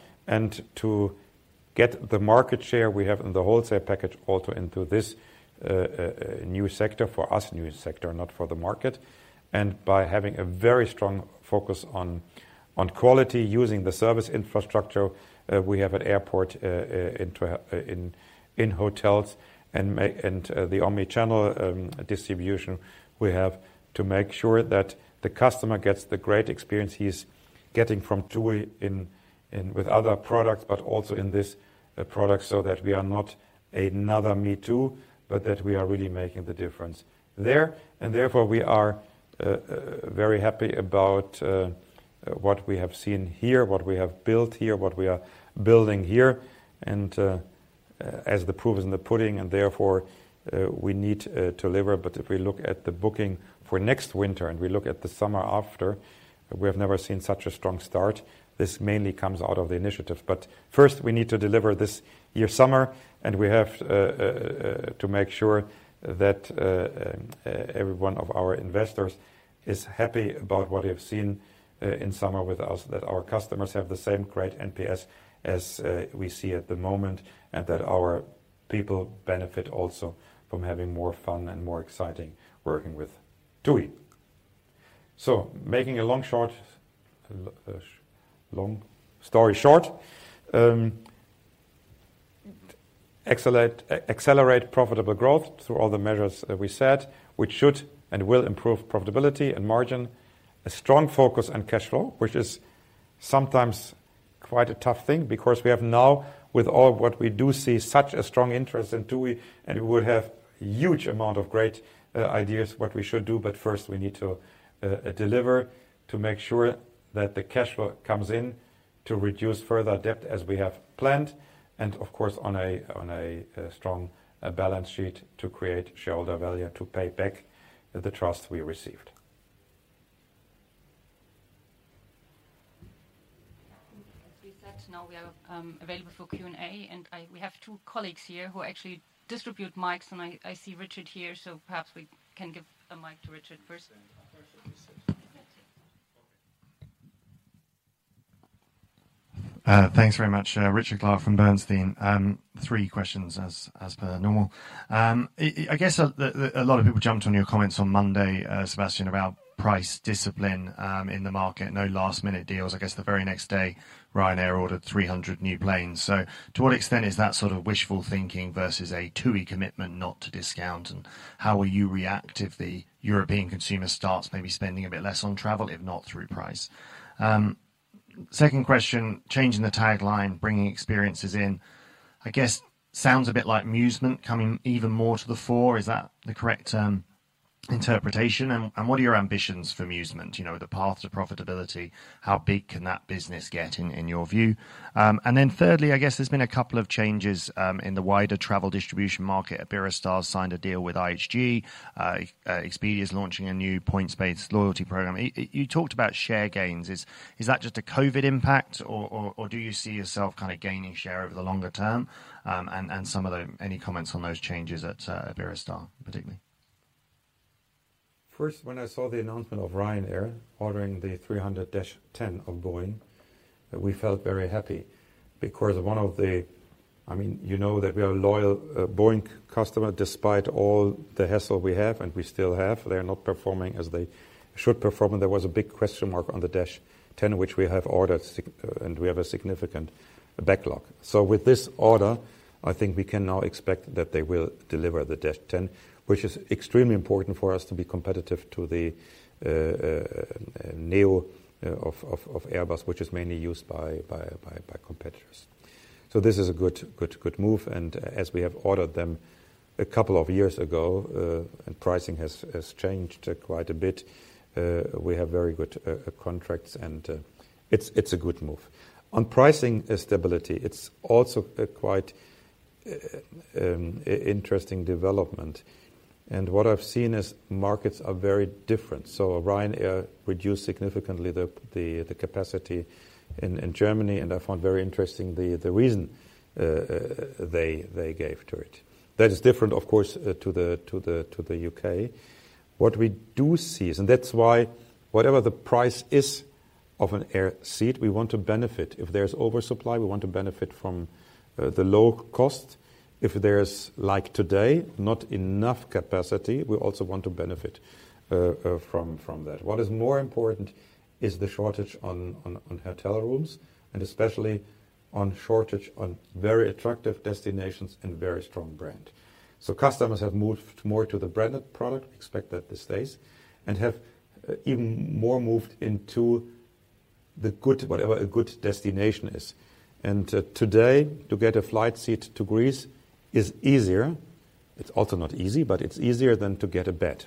To get the market share we have in the wholesale package also into this new sector. For us, new sector, not for the market. By having a very strong focus on quality, using the service infrastructure we have at airport, in hotels and the omni-channel distribution we have to make sure that the customer gets the great experience he's getting from TUI in with other products, but also in this product, so that we are not another me too, but that we are really making the difference there. Therefore, we are very happy about what we have seen here, what we have built here, what we are building here. As the proof is in the pudding, and therefore, we need to deliver. If we look at the booking for next winter and we look at the summer after, we have never seen such a strong start. This mainly comes out of the initiative. First, we need to deliver this year's summer, and we have to make sure that every one of our investors is happy about what they've seen in summer with us, that our customers have the same great NPS as we see at the moment, and that our people benefit also from having more fun and more exciting working with TUI. Making a long story short, accelerate profitable growth through all the measures that we set, which should and will improve profitability and margin. A strong focus on cash flow, which is sometimes quite a tough thing, because we have now, with all what we do see such a strong interest in TUI, and we would have huge amount of great ideas what we should do. first we need to deliver to make sure that the cash flow comes in to reduce further debt as we have planned and of course on a strong balance sheet to create shareholder value to pay back the trust we received. As we said, now we are available for Q&A. We have two colleagues here who actually distribute mics and I see Richard here, so perhaps we can give a mic to Richard first. Thanks very much. Richard Clarke from Bernstein. three questions as per normal. I guess a lot of people jumped on your comments on Monday, Sebastian, about price discipline in the market. No last minute deals. I guess the very next day Ryanair ordered 300 new planes. To what extent is that sort of wishful thinking versus a TUI commitment not to discount? How will you react if the European consumer starts maybe spending a bit less on travel, if not through price? Second question, changing the tagline, bringing experiences in, I guess sounds a bit like Musement coming even more to the fore. Is that the correct interpretation? What are your ambitions for Musement? You know, the path to profitability, how big can that business get in your view? Thirdly, I guess there's been a couple of changes in the wider travel distribution market. Iberostar signed a deal with IHG. Expedia is launching a new points-based loyalty program. You talked about share gains. Is that just a COVID impact or do you see yourself kind of gaining share over the longer term? Any comments on those changes at Iberostar particularly? First, when I saw the announcement of Ryanair ordering the 300 Dash 10 of Boeing, we felt very happy because I mean, you know that we are a loyal Boeing customer despite all the hassle we have and we still have. They're not performing as they should perform. There was a big question mark on the Dash 10, which we have ordered and we have a significant backlog. With this order, I think we can now expect that they will deliver the Dash 10, which is extremely important for us to be competitive to the neo of Airbus, which is mainly used by competitors. This is a good move and as we have ordered them a couple of years ago, and pricing has changed quite a bit, we have very good contracts and it's a good move. On pricing stability, it's also a quite interesting development. What I've seen is markets are very different. Ryanair reduced significantly the capacity in Germany and I found very interesting the reason they gave to it. That is different, of course, to the UK. What we do see is, and that's why whatever the price is of an air seat, we want to benefit. If there's oversupply, we want to benefit from the low cost. If there's, like today, not enough capacity, we also want to benefit from that. What is more important is the shortage on hotel rooms and especially on shortage on very attractive destinations and very strong brand. Customers have moved more to the branded product, expect that this stays, and have even more moved into the good, whatever a good destination is. Today, to get a flight seat to Greece is easier. It's also not easy, but it's easier than to get a bed.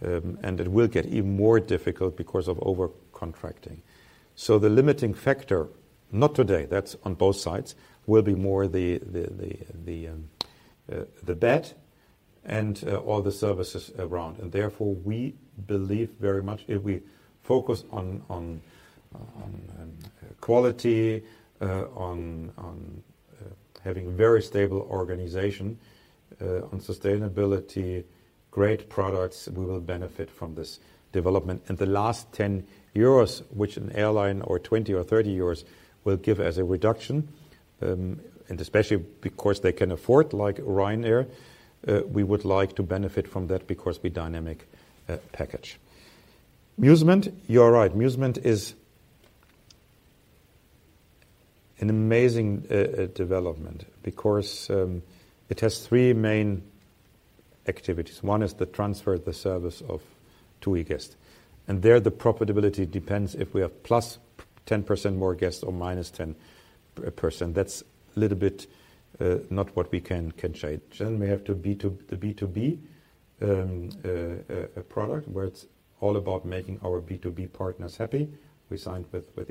It will get even more difficult because of over-contracting. The limiting factor, not today, that's on both sides, will be more the bed and all the services around. Therefore, we believe very much if we focus on quality, on having very stable organization, on sustainability, great products, we will benefit from this development. The last 10 euros which an airline or 20 or 30 euros will give as a reduction, and especially because they can afford like Ryanair, we would like to benefit from that because we dynamic package. Musement, you are right. Musement is an amazing development because it has three main activities. One is the transfer, the service of TUI guests. There, the profitability depends if we have +10% more guests or -10%. That's a little bit not what we can change. We have the B2B product where it's all about making our B2B partners happy. We signed with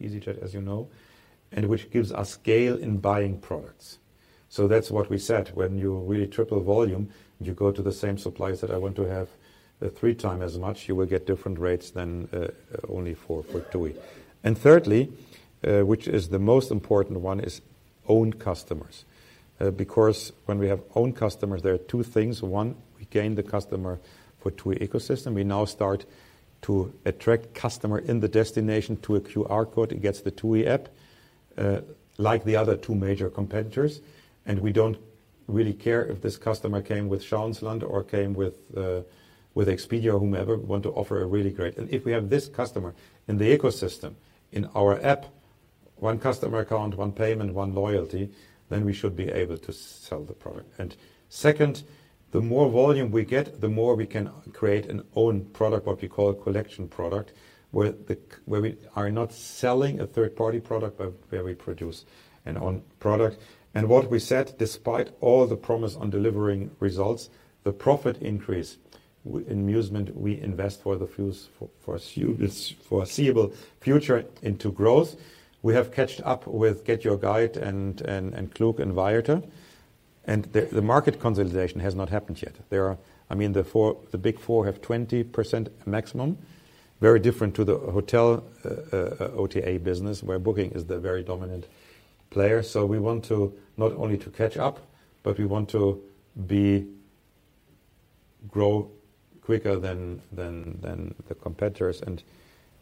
easyJet, as you know, and which gives us scale in buying products. That's what we said when you really triple volume and you go to the same suppliers that I want to have, 3 times as much, you will get different rates than only for TUI. Thirdly, which is the most important one is own customers. Because when we have own customers, there are 2 things. 1, we gain the customer for TUI ecosystem. We now start to attract customer in the destination to a QR code. It gets the TUI app, like the other 2 major competitors. We don't really care if this customer came with schauinsland-reisen or came with Expedia or whomever. If we have this customer in the ecosystem in our app. 1 customer account, 1 payment, 1 loyalty, then we should be able to sell the product. Second, the more volume we get, the more we can create an own product, what we call a collection product, where we are not selling a third-party product, but where we produce an own product. What we said, despite all the promise on delivering results, the profit increase in Musement, we invest for the foreseeable future into growth. We have catched up with GetYourGuide and Klook and Viator. The market consolidation has not happened yet. There are the big four have 20% maximum. Very different to the hotel, OTA business, where Booking is the very dominant player. We want to not only to catch up, but we want to grow quicker than the competitors.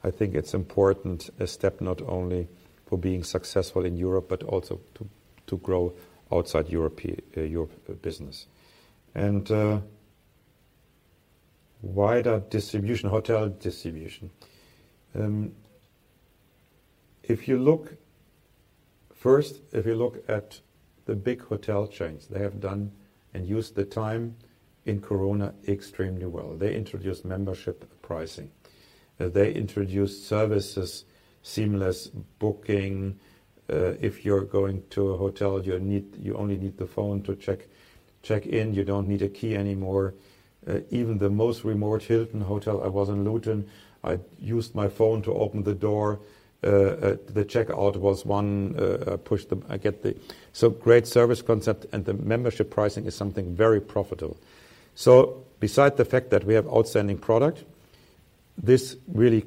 I think it's important a step not only for being successful in Europe, but also to grow outside Europe business. Wider distribution, hotel distribution. First, if you look at the big hotel chains, they have done and used the time in Corona extremely well. They introduced membership pricing. They introduced services, seamless booking. If you're going to a hotel, you only need the phone to check-in. You don't need a key anymore. Even the most remote Hilton Hotel, I was in Luton, I used my phone to open the door. The checkout was one push. I get the. So great service concept, and the membership pricing is something very profitable. Beside the fact that we have outstanding product, this really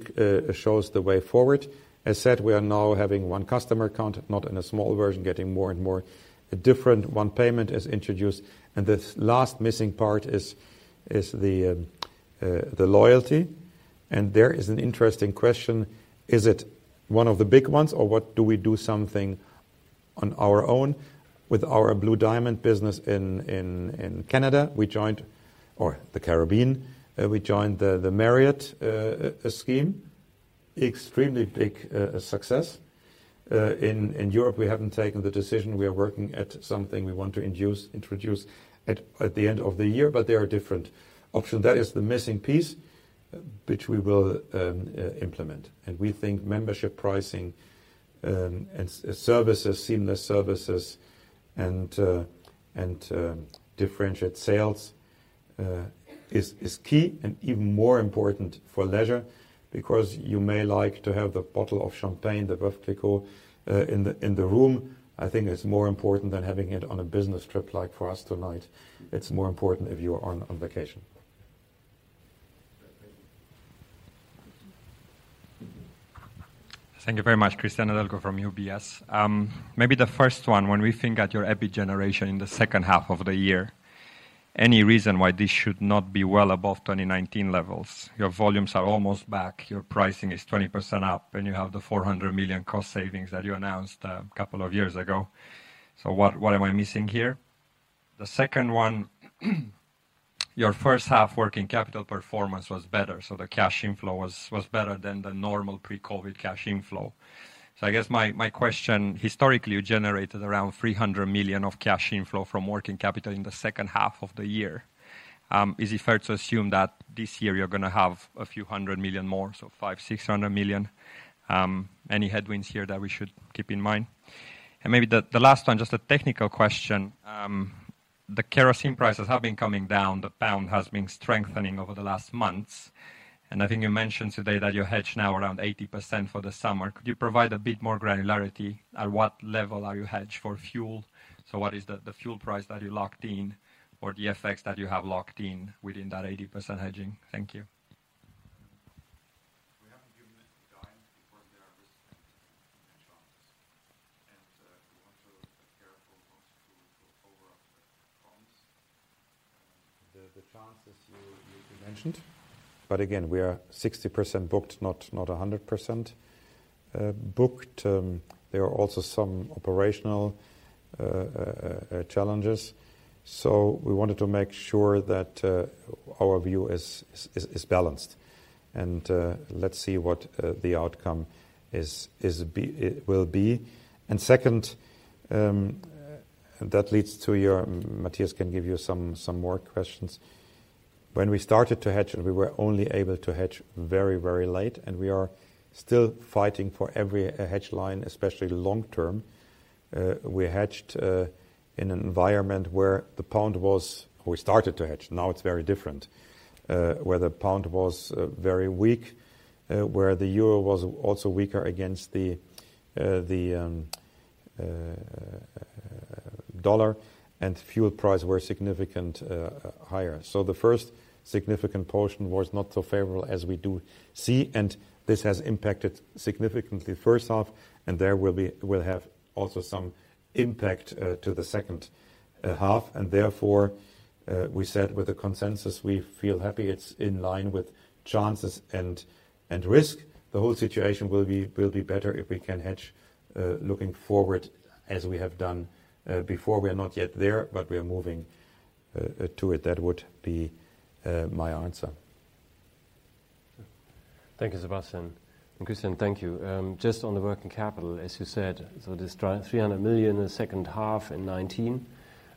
shows the way forward. As said, we are now having one customer account, not in a small version, getting more and more different. One payment is introduced, the last missing part is the loyalty. There is an interesting question, is it one of the big ones, or what do we do something on our own? With our Blue Diamond business in Canada, we joined the Caribbean, we joined the Marriott scheme. Extremely big success. In Europe, we haven't taken the decision. We are working at something we want to introduce at the end of the year, but there are different options. That is the missing piece, which we will implement. We think membership pricing, and services, seamless services, and differentiated sales, is key and even more important for leisure because you may like to have the bottle of champagne, the Veuve Clicquot, in the room. I think it's more important than having it on a business trip like for us tonight. It's more important if you are on vacation. Thank you very much. Cristian Nedelcu from UBS. Maybe the first one, when we think at your EBIT generation in the second half of the year, any reason why this should not be well above 2019 levels? Your volumes are almost back, your pricing is 20% up, and you have the 400 million cost savings that you announced a couple of years ago. What am I missing here? The second one, your first half working capital performance was better, so the cash inflow was better than the normal pre-COVID cash inflow. I guess my question, historically, you generated around 300 million of cash inflow from working capital in the second half of the year. Is it fair to assume that this year you're gonna have a few hundred million more, so 500 million-600 million? Any headwinds here that we should keep in mind? Maybe the last one, just a technical question. The kerosene prices have been coming down. The pound has been strengthening over the last months. I think you mentioned today that you hedge now around 80% for the summer. Could you provide a bit more granularity at what level are you hedged for fuel? What is the fuel price that you locked in or the effects that you have locked in within that 80% hedging? Thank you. We haven't given $0.10 because there are risks and chances. We want to be careful not to overpromise. The chances you mentioned, again, we are 60% booked, not 100% booked. There are also some operational challenges. We wanted to make sure that our view is balanced. Let's see what the outcome it will be. Second, that leads to your. Mathias can give you some more questions. When we started to hedge, we were only able to hedge very late, we are still fighting for every hedge line, especially long term. We hedged in an environment. We started to hedge. Now it's very different. where the GBP was very weak, where the EUR was also weaker against the USD, and fuel price were significant higher. The first significant portion was not so favorable as we do see, and this has impacted significantly first half, and there will have also some impact to the second half. Therefore, we said with the consensus, we feel happy it's in line with chances and risk. The whole situation will be better if we can hedge looking forward as we have done before. We are not yet there, but we are moving to it. That would be my answer. Thank you, Sebastian. Cristian, thank you. Just on the working capital, as you said, so this 300 million in the second half in 2019,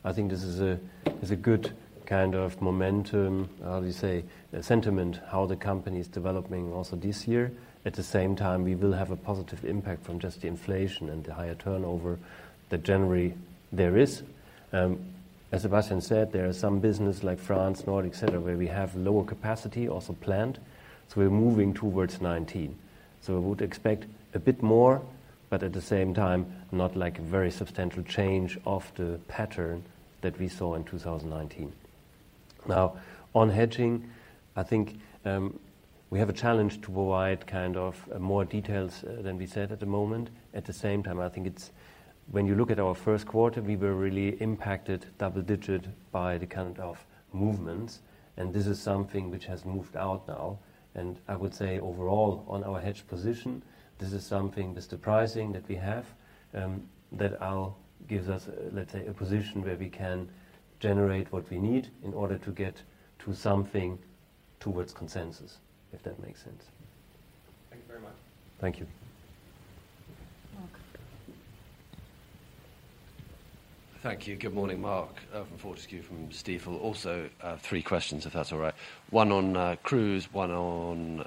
I think this is a good kind of momentum, how do you say, sentiment, how the company is developing also this year. At the same time, we will have a positive impact from just the inflation and the higher turnover that generally there is. As Sebastian said, there are some business like France, Nord, et cetera, where we have lower capacity also planned. We're moving towards 2019. We would expect a bit more, but at the same time, not like a very substantial change of the pattern that we saw in 2019. On hedging, I think, we have a challenge to provide kind of more details than we said at the moment. At the same time, I think it's when you look at our first quarter, we were really impacted double-digit by the kind of movements. This is something which has moved out now. I would say overall on our hedge position, this is something, this pricing that we have, that gives us, let's say, a position where we can generate what we need in order to get to something towards consensus, if that makes sense. Thank you very much. Thank you. Mark. Thank you. Good morning. Mark from Fortescue from Stifel. 3 questions, if that's all right. 1 on cruise, 1 on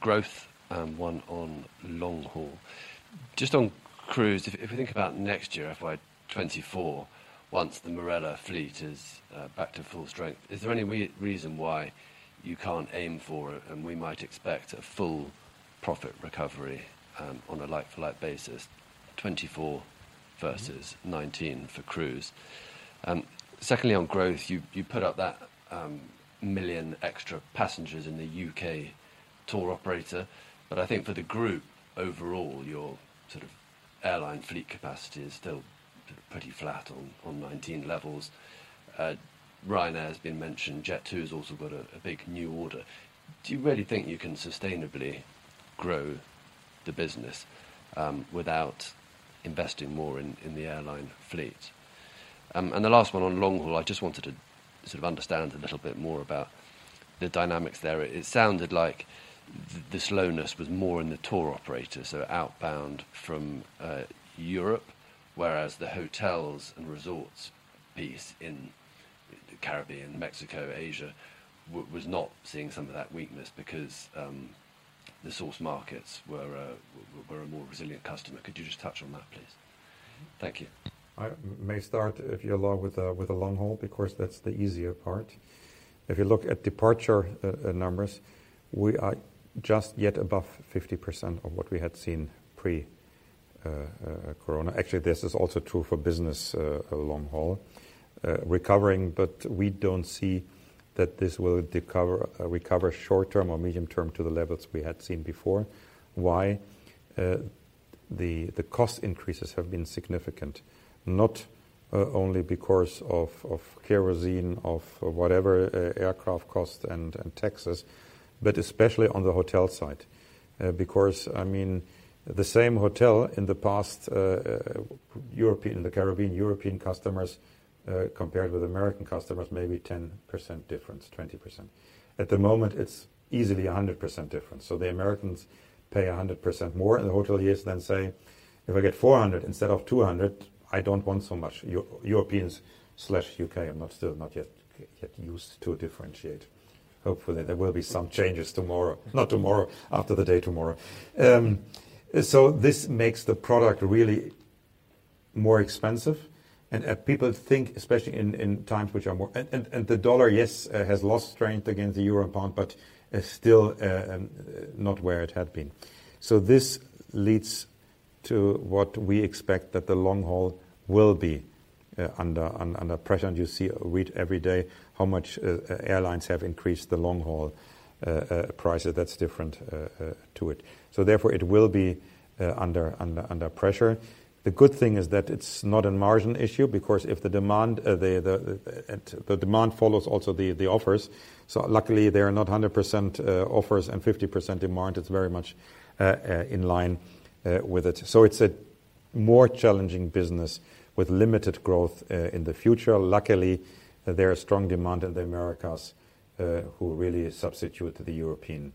growth, and 1 on long-haul. Just on cruise, if you think about next year, FY 2024, once the Marella fleet is back to full strength, is there any reason why you can't aim for and we might expect a full profit recovery on a like-for-like basis, 2024 versus 2019 for cruise? Secondly, on growth, you put up that million extra passengers in the UK tour operator. I think for the group overall, your sort of airline fleet capacity is still pretty flat on 2019 levels. Ryanair has been mentioned. Jet2 has also got a big new order. Do you really think you can sustainably grow the business without investing more in the airline fleet? The last one on long-haul, I just wanted to sort of understand a little bit more about the dynamics there. It sounded like the slowness was more in the tour operator, so outbound from Europe, whereas the hotels and resorts piece in the Caribbean, Mexico, Asia was not seeing some of that weakness because the source markets were a more resilient customer. Could you just touch on that, please? Thank you. I may start, if you allow, with the long-haul, because that's the easier part. If you look at departure numbers, we are just yet above 50% of what we had seen pre corona. Actually, this is also true for business long haul recovering, but we don't see that this will recover short term or medium term to the levels we had seen before. Why? The cost increases have been significant, not only because of kerosene, of whatever, aircraft cost and taxes, but especially on the hotel side. Because, I mean, the same hotel in the past, European, the Caribbean, European customers, compared with American customers may be 10% difference, 20%. At the moment, it's easily 100% difference. The Americans pay 100% more in the hotel years than say, "If I get 400 instead of 200, I don't want so much." Europeans/UK are not still not yet used to differentiate. Hopefully, there will be some changes tomorrow. Not tomorrow, after the day tomorrow. This makes the product really more expensive. People think, especially in times which are more... The dollar, yes, has lost strength against the Euro pound, but is still not where it had been. This leads to what we expect that the long haul will be under pressure. You see, read every day how much airlines have increased the long haul prices. That's different to it. Therefore, it will be under pressure. The good thing is that it's not a margin issue, because if the demand, the demand follows also the offers. Luckily, they are not 100% offers and 50% demand. It's very much in line with it. It's a more challenging business with limited growth in the future. Luckily, there are strong demand in the Americas, who really substitute the European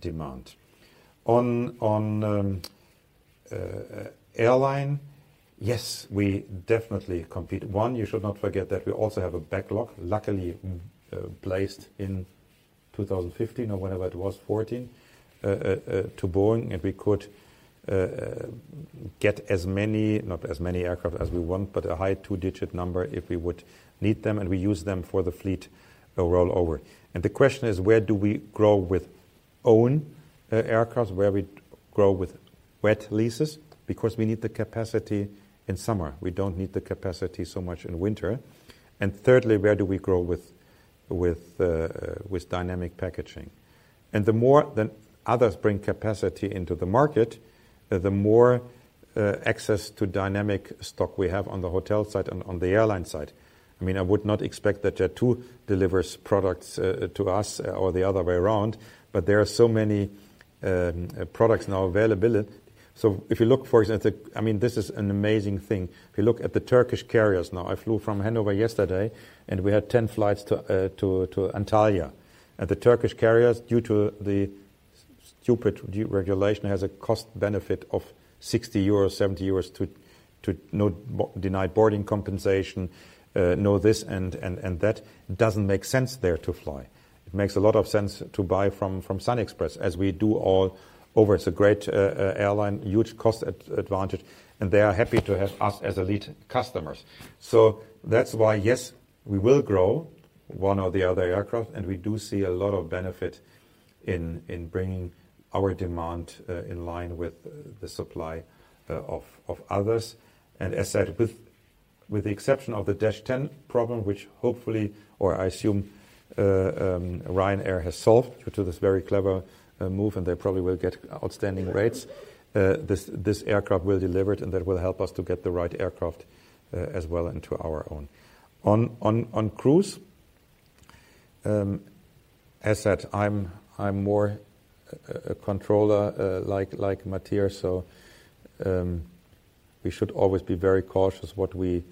demand. On airline, yes, we definitely compete. One, you should not forget that we also have a backlog, luckily, placed in 2015 or whenever it was, 2014, to Boeing, and we could get as many, not as many aircraft as we want, but a high two-digit number if we would need them, and we use them for the fleet rollover. The question is: where do we grow with own aircraft? Where we grow with wet leases? Because we need the capacity in summer. We don't need the capacity so much in winter. Thirdly, where do we grow with dynamic packaging? The more the others bring capacity into the market, the more access to dynamic stock we have on the hotel side and on the airline side. I mean, I would not expect that Jet2 delivers products to us or the other way around, but there are so many products now. If you look, for example, I mean this is an amazing thing. If you look at the Turkish carriers now, I flew from Hanover yesterday, and we had 10 flights to Antalya. The Turkish carriers, due to the stupid de-regulation, has a cost benefit of 60 euros, 70 euros to no denied boarding compensation, no this and that. Doesn't make sense there to fly. It makes a lot of sense to buy from SunExpress, as we do all over. It's a great airline, huge cost advantage, and they are happy to have us as elite customers. That's why, yes, we will grow one or the other aircraft, and we do see a lot of benefit in bringing our demand in line with the supply of others. As said, with the exception of the Dash 10 problem, which hopefully, or I assume, Ryanair has solved due to this very clever move, and they probably will get outstanding rates. This aircraft will deliver it. That will help us to get the right aircraft as well into our own. On cruise, as said, I'm more a controller like Mathias, so, we should always be very cautious what we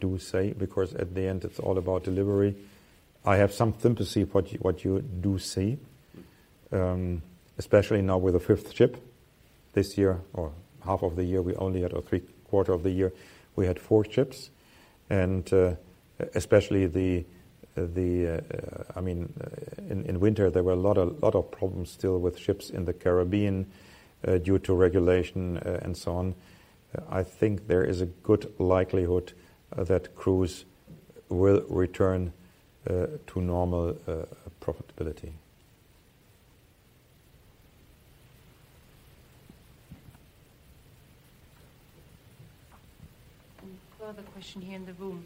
do say, because at the end it's all about delivery. I have some sympathy for what you do see, especially now with the fifth ship this year or half of the year. We only had, or three-quarter of the year, we had four ships. Especially the, I mean, in winter there were a lot of problems still with ships in the Caribbean due to regulation and so on. I think there is a good likelihood that cruise will return to normal profitability. Any further question here in the room?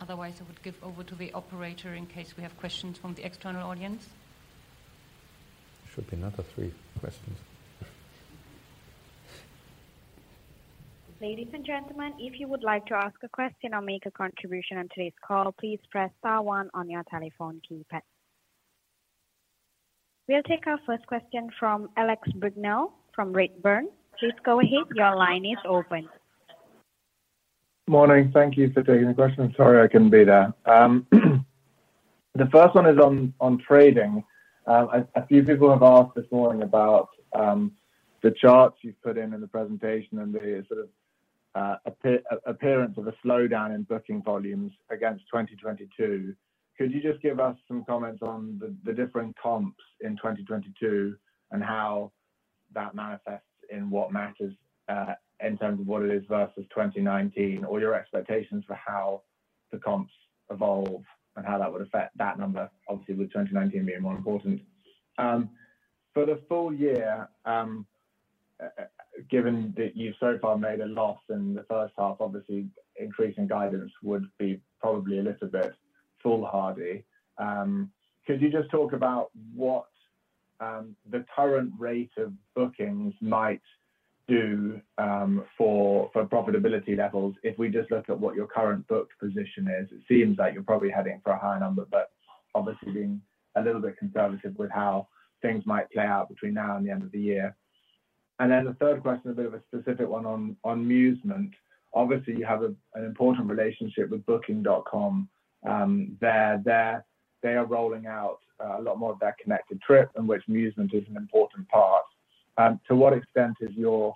I would give over to the operator in case we have questions from the external audience. Should be another three questions. Ladies and gentlemen, if you would like to ask a question or make a contribution on today's call, please press star 1 on your telephone keypad. We'll take our first question from Alex Brignall from Redburn. Please go ahead. Your line is open. Morning. Thank you for taking the question. Sorry I couldn't be there. The first one is on trading. A few people have asked this morning about the charts you've put in the presentation and the sort of appearance of a slowdown in booking volumes against 2022. Could you just give us some comments on the different comps in 2022 and how that manifests in what matters, in terms of what it is versus 2019, or your expectations for how the comps evolve and how that would affect that number, obviously with 2019 being more important? For the full year, given that you've so far made a loss in the first half, obviously increasing guidance would be probably a little bit foolhardy. Could you just talk about what the current rate of bookings might do for profitability levels if we just look at what your current booked position is? It seems like you're probably heading for a higher number, but obviously being a little bit conservative with how things might play out between now and the end of the year. The third question, a bit of a specific one on Musement. You have an important relationship with Booking.com. They are rolling out a lot more of that Connected Trip in which Musement is an important part. To what extent is your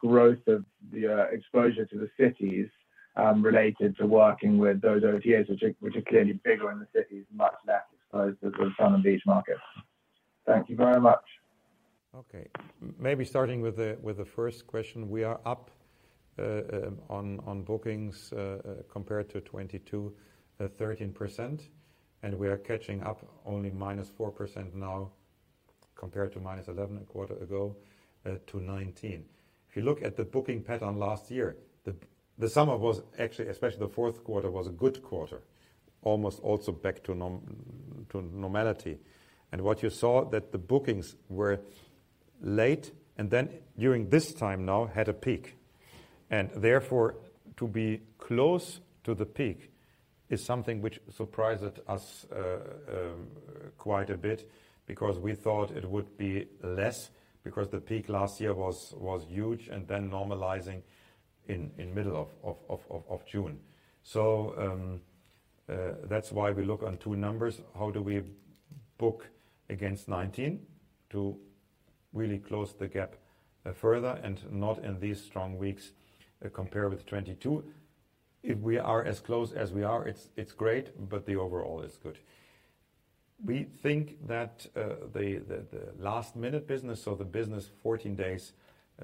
growth of the exposure to the cities related to working with those OTAs which are clearly bigger in the cities and much less exposed to sort of sun and beach markets? Thank you very much. Okay. Maybe starting with the first question, we are up on bookings compared to 2022, 13%, and we are catching up only -4% now compared to -11 a quarter ago to 2019. If you look at the booking pattern last year, the summer was actually, especially the 4th quarter, was a good quarter, almost also back to normality. What you saw that the bookings were late and then during this time now had a peak. Therefore, to be close to the peak is something which surprises us quite a bit because we thought it would be less because the peak last year was huge and then normalizing in middle of June. That's why we look on 2 numbers. How do we book against 19 to really close the gap further and not in these strong weeks compare with 22. If we are as close as we are, it's great, but the overall is good. We think that the last-minute business or the business 14 days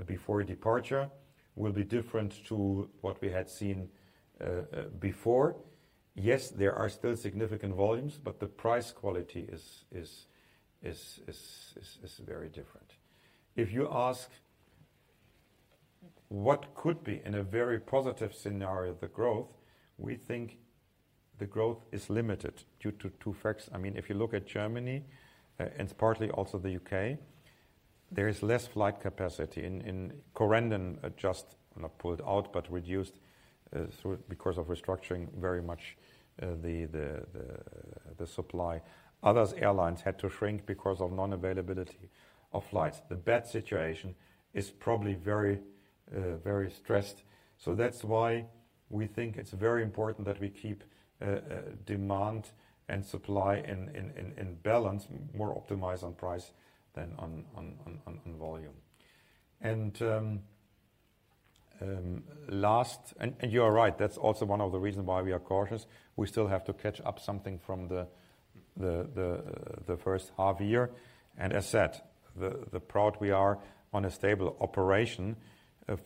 before departure will be different to what we had seen before. Yes, there are still significant volumes, but the price quality is very different. If you ask what could be in a very positive scenario, the growth, we think the growth is limited due to 2 facts. I mean, if you look at Germany, and partly also the UK. There is less flight capacity in Corendon adjust, not pulled out, but reduced through because of restructuring very much the supply. Others airlines had to shrink because of non-availability of flights. The bed situation is probably very, very stressed. That's why we think it's very important that we keep demand and supply in balance, more optimized on price than on volume. Last... You are right, that's also one of the reasons why we are cautious. We still have to catch up something from the first half year. As said, the proud we are on a stable operation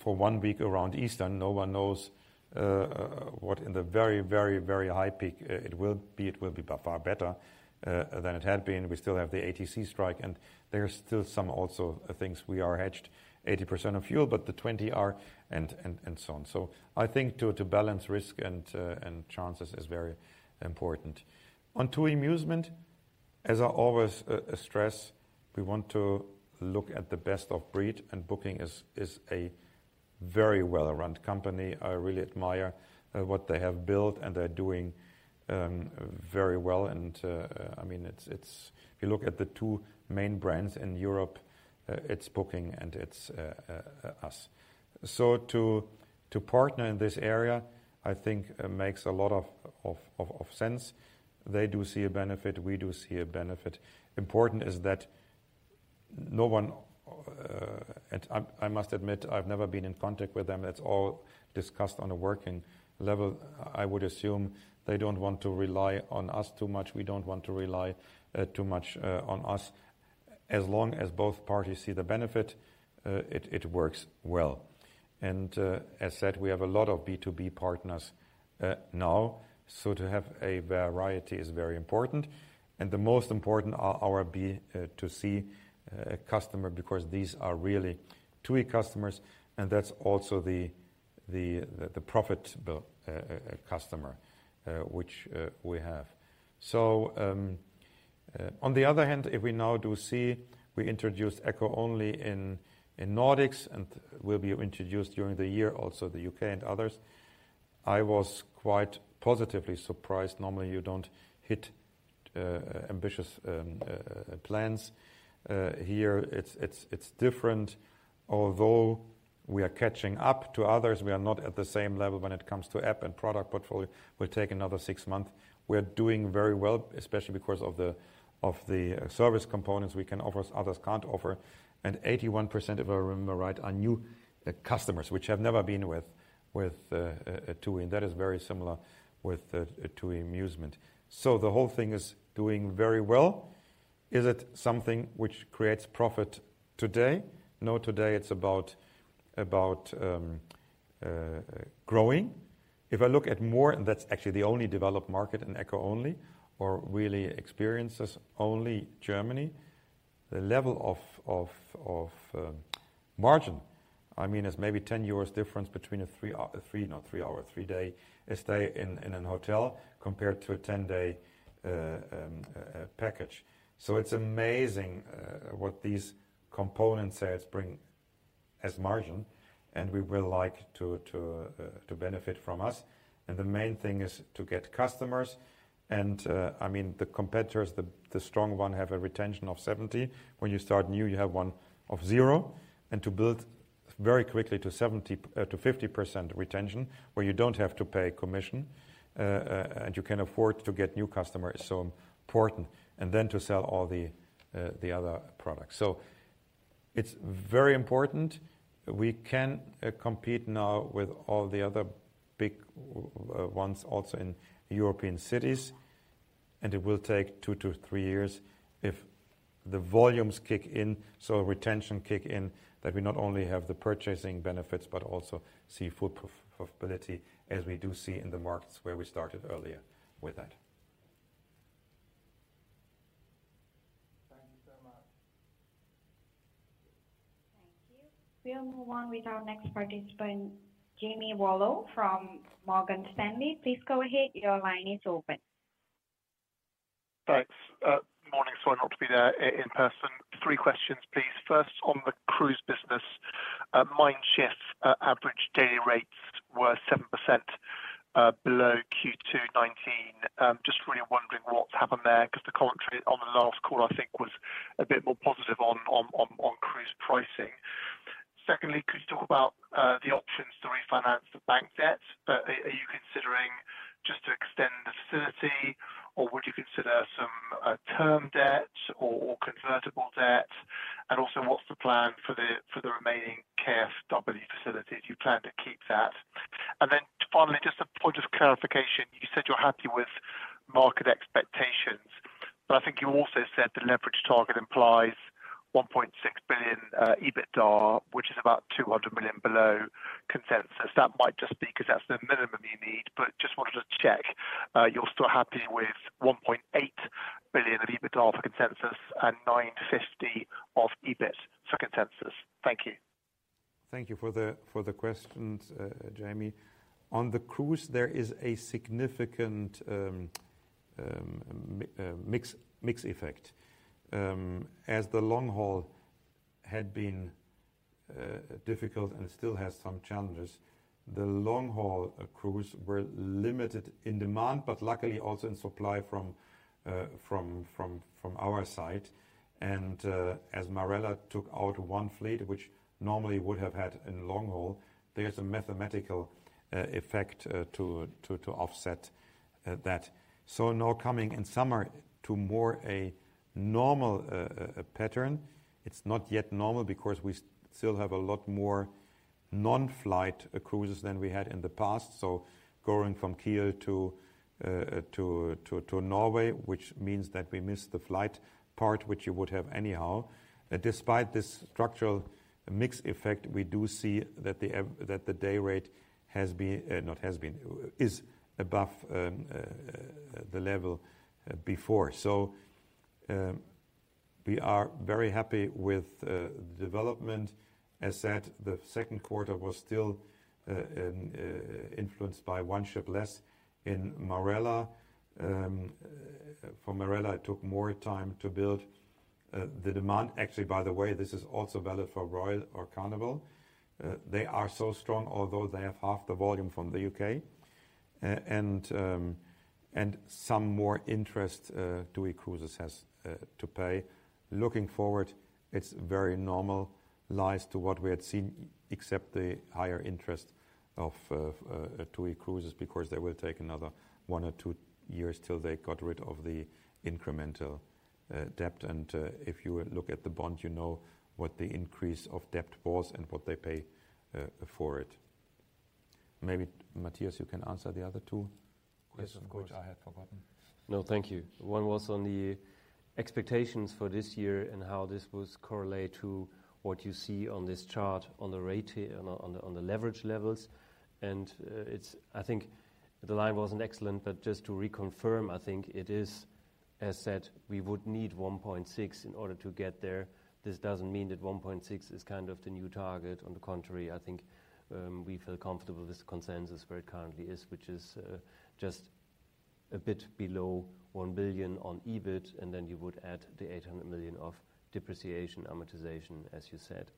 for one week around Easter. No one knows what in the very, very, very high peak it will be. It will be by far better than it had been. We still have the ATC strike. There are still some also things we are hedged 80% of fuel, but the 20 are and so on. I think to balance risk and chances is very important. On TUI Musement, as I always stress, we want to look at the best of breed. Booking is a very well-run company. I really admire what they have built. They're doing very well. I mean, it's If you look at the two main brands in Europe, it's Booking and it's us. To partner in this area, I think makes a lot of sense. They do see a benefit, we do see a benefit. Important is that no one. I must admit, I've never been in contact with them. It's all discussed on a working level. I would assume they don't want to rely on us too much. We don't want to rely too much on us. As long as both parties see the benefit, it works well. As said, we have a lot of B2B partners now, so to have a variety is very important. The most important are our B2C customer, because these are really TUI customers, and that's also the profitable customer which we have. On the other hand, if we now do see, we introduced ECCO only in Nordics and will be introduced during the year also the UK and others. I was quite positively surprised. Normally, you don't hit ambitious plans. Here it's different. Although we are catching up to others, we are not at the same level when it comes to app and product portfolio. We'll take another six months. We're doing very well, especially because of the service components we can offer as others can't offer. Eighty-one percent, if I remember right, are new customers which have never been with a TUI, and that is very similar with a TUI Musement. The whole thing is doing very well. Is it something which creates profit today? No, today it's about growing. That's actually the only developed market in ECCO only or really experiences only Germany. The level of margin, I mean, is maybe 10 euros difference between a 3, not 3 hour, 3-day stay in a hotel compared to a 10-day package. It's amazing what these component sets bring as margin, and we will like to benefit from us. The main thing is to get customers. I mean, the competitors, the strong one, have a retention of 70. When you start new, you have one of 0. To build very quickly to 70, to 50% retention, where you don't have to pay commission, and you can afford to get new customers is so important, and then to sell all the other products. It's very important. We can compete now with all the other big ones also in European cities, and it will take two to three years if the volumes kick in, so retention kick in, that we not only have the purchasing benefits, but also see full profitability as we do see in the markets where we started earlier with that. Thank you so much. Thank you. We'll move on with our next participant, Jamie Rollo from Morgan Stanley. Please go ahead. Your line is open. Thanks. Morning. Sorry not to be there in person. Three questions, please. First, on the cruise business, Mein Schiff's average daily rates were 7% below Q2 2019. Just really wondering what's happened there 'cause the commentary on the last call, I think, was a bit more positive on cruise pricing. Secondly, could you talk about the options to refinance the bank debt? Are you considering just to extend the facility, or would you consider some term debt or convertible debt? Also what's the plan for the remaining KfW facilities? Do you plan to keep that? Finally, just a point of clarification. You said you're happy with market expectations, but I think you also said the leverage target implies 1.6 billion EBITDA, which is about 200 million below consensus. That might just be 'cause that's the minimum you need. Just wanted to check, you're still happy with EUR 1.8 billion of EBITDA for consensus and 950 of EBIT for consensus. Thank you. Thank you for the, for the questions, Jamie. On the cruise, there is a significant mix effect. As the long haul had been difficult and still has some challenges. The long haul cruise were limited in demand, but luckily also in supply from our side. As Marella took out one fleet, which normally would have had in long haul, there's a mathematical effect to offset that. Now coming in summer to more a normal pattern. It's not yet normal because we still have a lot more non-flight cruises than we had in the past. Going from Kiel to Norway, which means that we miss the flight part, which you would have anyhow. Despite this structural mix effect, we do see that the day rate has been, is above the level before. We are very happy with the development. As said, the second quarter was still influenced by one ship less in Marella. For Marella, it took more time to build the demand. Actually, by the way, this is also valid for Royal or Carnival. They are so strong, although they have half the volume from the UK. And some more interest TUI Cruises has to pay. Looking forward, it's very normal, lies to what we had seen, except the higher interest of TUI Cruises, because they will take another one or two years till they got rid of the incremental debt. If you look at the bond, you know what the increase of debt was and what they pay for it. Maybe, Mathias, you can answer the other 2 questions which I have forgotten. No, thank you. One was on the expectations for this year and how this will correlate to what you see on this chart on the rate on the, on the leverage levels. I think the line wasn't excellent, but just to reconfirm, I think it is, as said, we would need 1.6 in order to get there. This doesn't mean that 1.6 is kind of the new target. I think we feel comfortable with the consensus where it currently is, which is just a bit below 1 billion on EBIT, and then you would add the 800 million of depreciation amortization, as you said.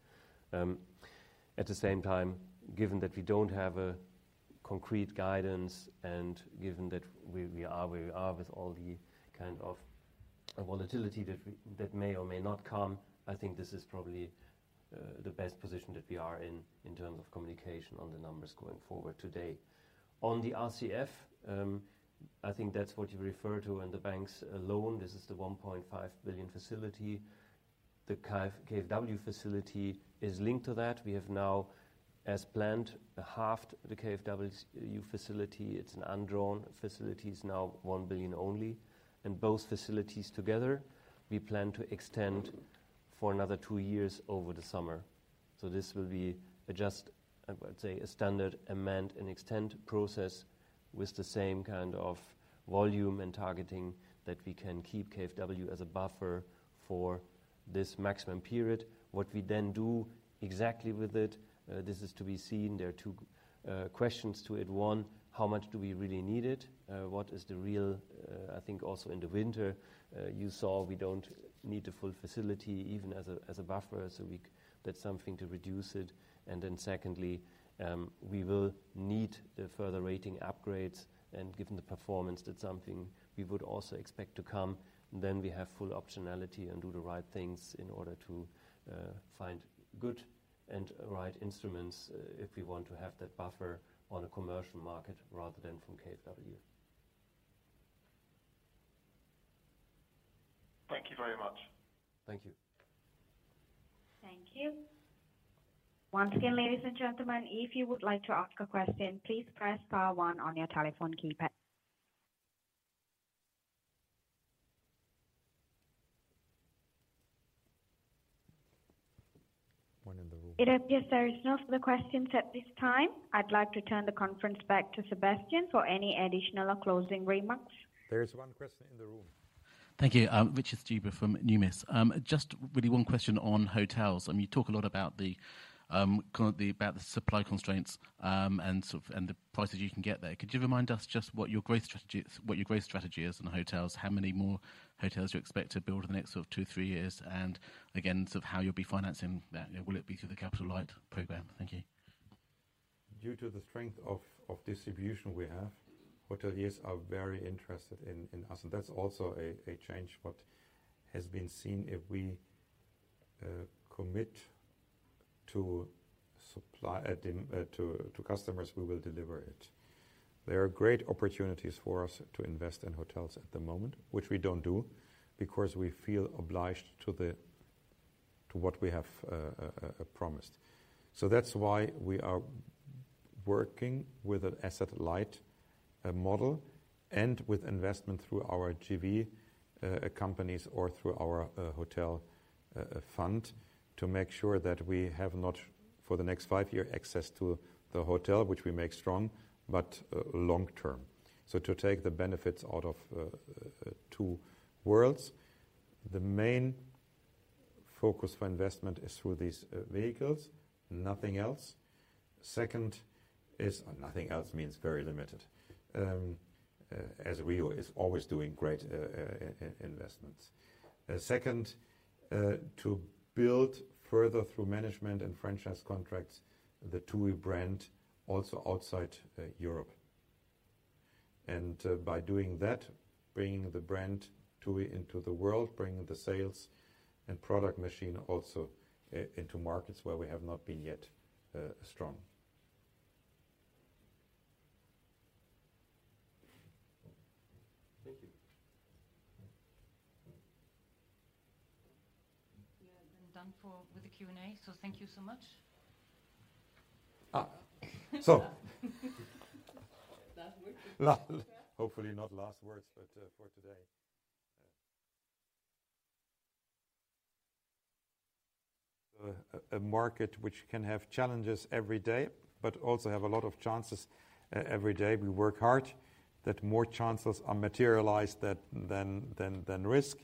At the same time, given that we don't have a concrete guidance and given that we are where we are with all the kind of volatility that we, that may or may not come, I think this is probably the best position that we are in terms of communication on the numbers going forward today. On the RCF, I think that's what you refer to in the bank's loan. This is the 1.5 billion facility. The KfW facility is linked to that. We have now, as planned, halved the KfW's facility. It's an undrawn facility. It's now 1 billion only. Both facilities together, we plan to extend for another two years over the summer. This will be just, I would say, a standard amend and extend process with the same kind of volume and targeting that we can keep KfW as a buffer for this maximum period. What we then do exactly with it, this is to be seen. There are two questions to it. One, how much do we really need it? What is the real, I think also in the winter, you saw we don't need the full facility even as a buffer. We did something to reduce it. Secondly, we will need the further rating upgrades. Given the performance, that's something we would also expect to come. We have full optionality and do the right things in order to find good and right instruments if we want to have that buffer on a commercial market rather than from KfW. Thank you very much. Thank you. Thank you. Once again, ladies and gentlemen, if you would like to ask a question, please press star one on your telephone keypad. One in the room. It appears there is no further questions at this time. I'd like to turn the conference back to Sebastian for any additional or closing remarks. There is one question in the room. Thank you. Richard Stuber from Numis, just really one question on hotels. I mean, you talk a lot about the about the supply constraints and the prices you can get there. Could you remind us just what your growth strategy is in hotels? How many more hotels you expect to build in the next sort of 2, 3 years? Again, sort of how you'll be financing that? Will it be through the Capital Light program? Thank you. Due to the strength of distribution we have, hoteliers are very interested in us. That's also a change what has been seen. If we commit to supply to customers, we will deliver it. There are great opportunities for us to invest in hotels at the moment, which we don't do because we feel obliged to what we have promised. That's why we are working with an asset-light model and with investment through our JV companies or through our hotel fund to make sure that we have not, for the next 5 year, access to the hotel, which we make strong, but long term. To take the benefits out of two worlds. The main focus for investment is through these vehicles, nothing else. Second, nothing else means very limited. As we is always doing great investments. Second, to build further through management and franchise contracts the TUI brand also outside Europe. By doing that, bringing the brand TUI into the world, bringing the sales and product machine also into markets where we have not been yet strong. Thank you. We are then done for with the Q&A, thank you so much. Ah. So. Last words. Hopefully not last words, but for today. A market which can have challenges every day, but also have a lot of chances every day. We work hard that more chances are materialized than risk.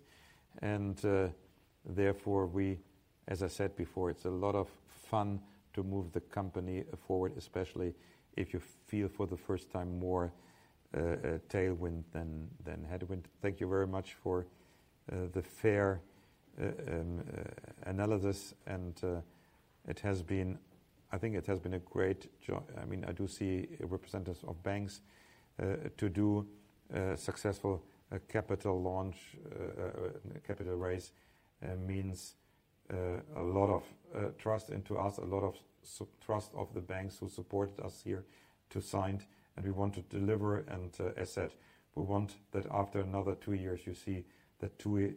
Therefore we, as I said before, it's a lot of fun to move the company forward, especially if you feel for the first time more tailwind than headwind. Thank you very much for the fair analysis and I think it has been a great I mean, I do see representatives of banks to do successful capital launch, capital raise means a lot of trust into us, a lot of trust of the banks who supported us here to sign. We want to deliver and, as said, we want that after another two years, you see the TUI,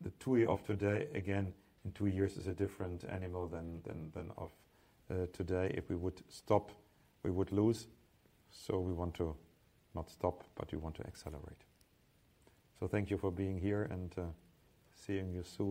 the TUI of today again in two years is a different animal than of today. If we would stop, we would lose. We want to not stop, but we want to accelerate. Thank you for being here and, seeing you soon.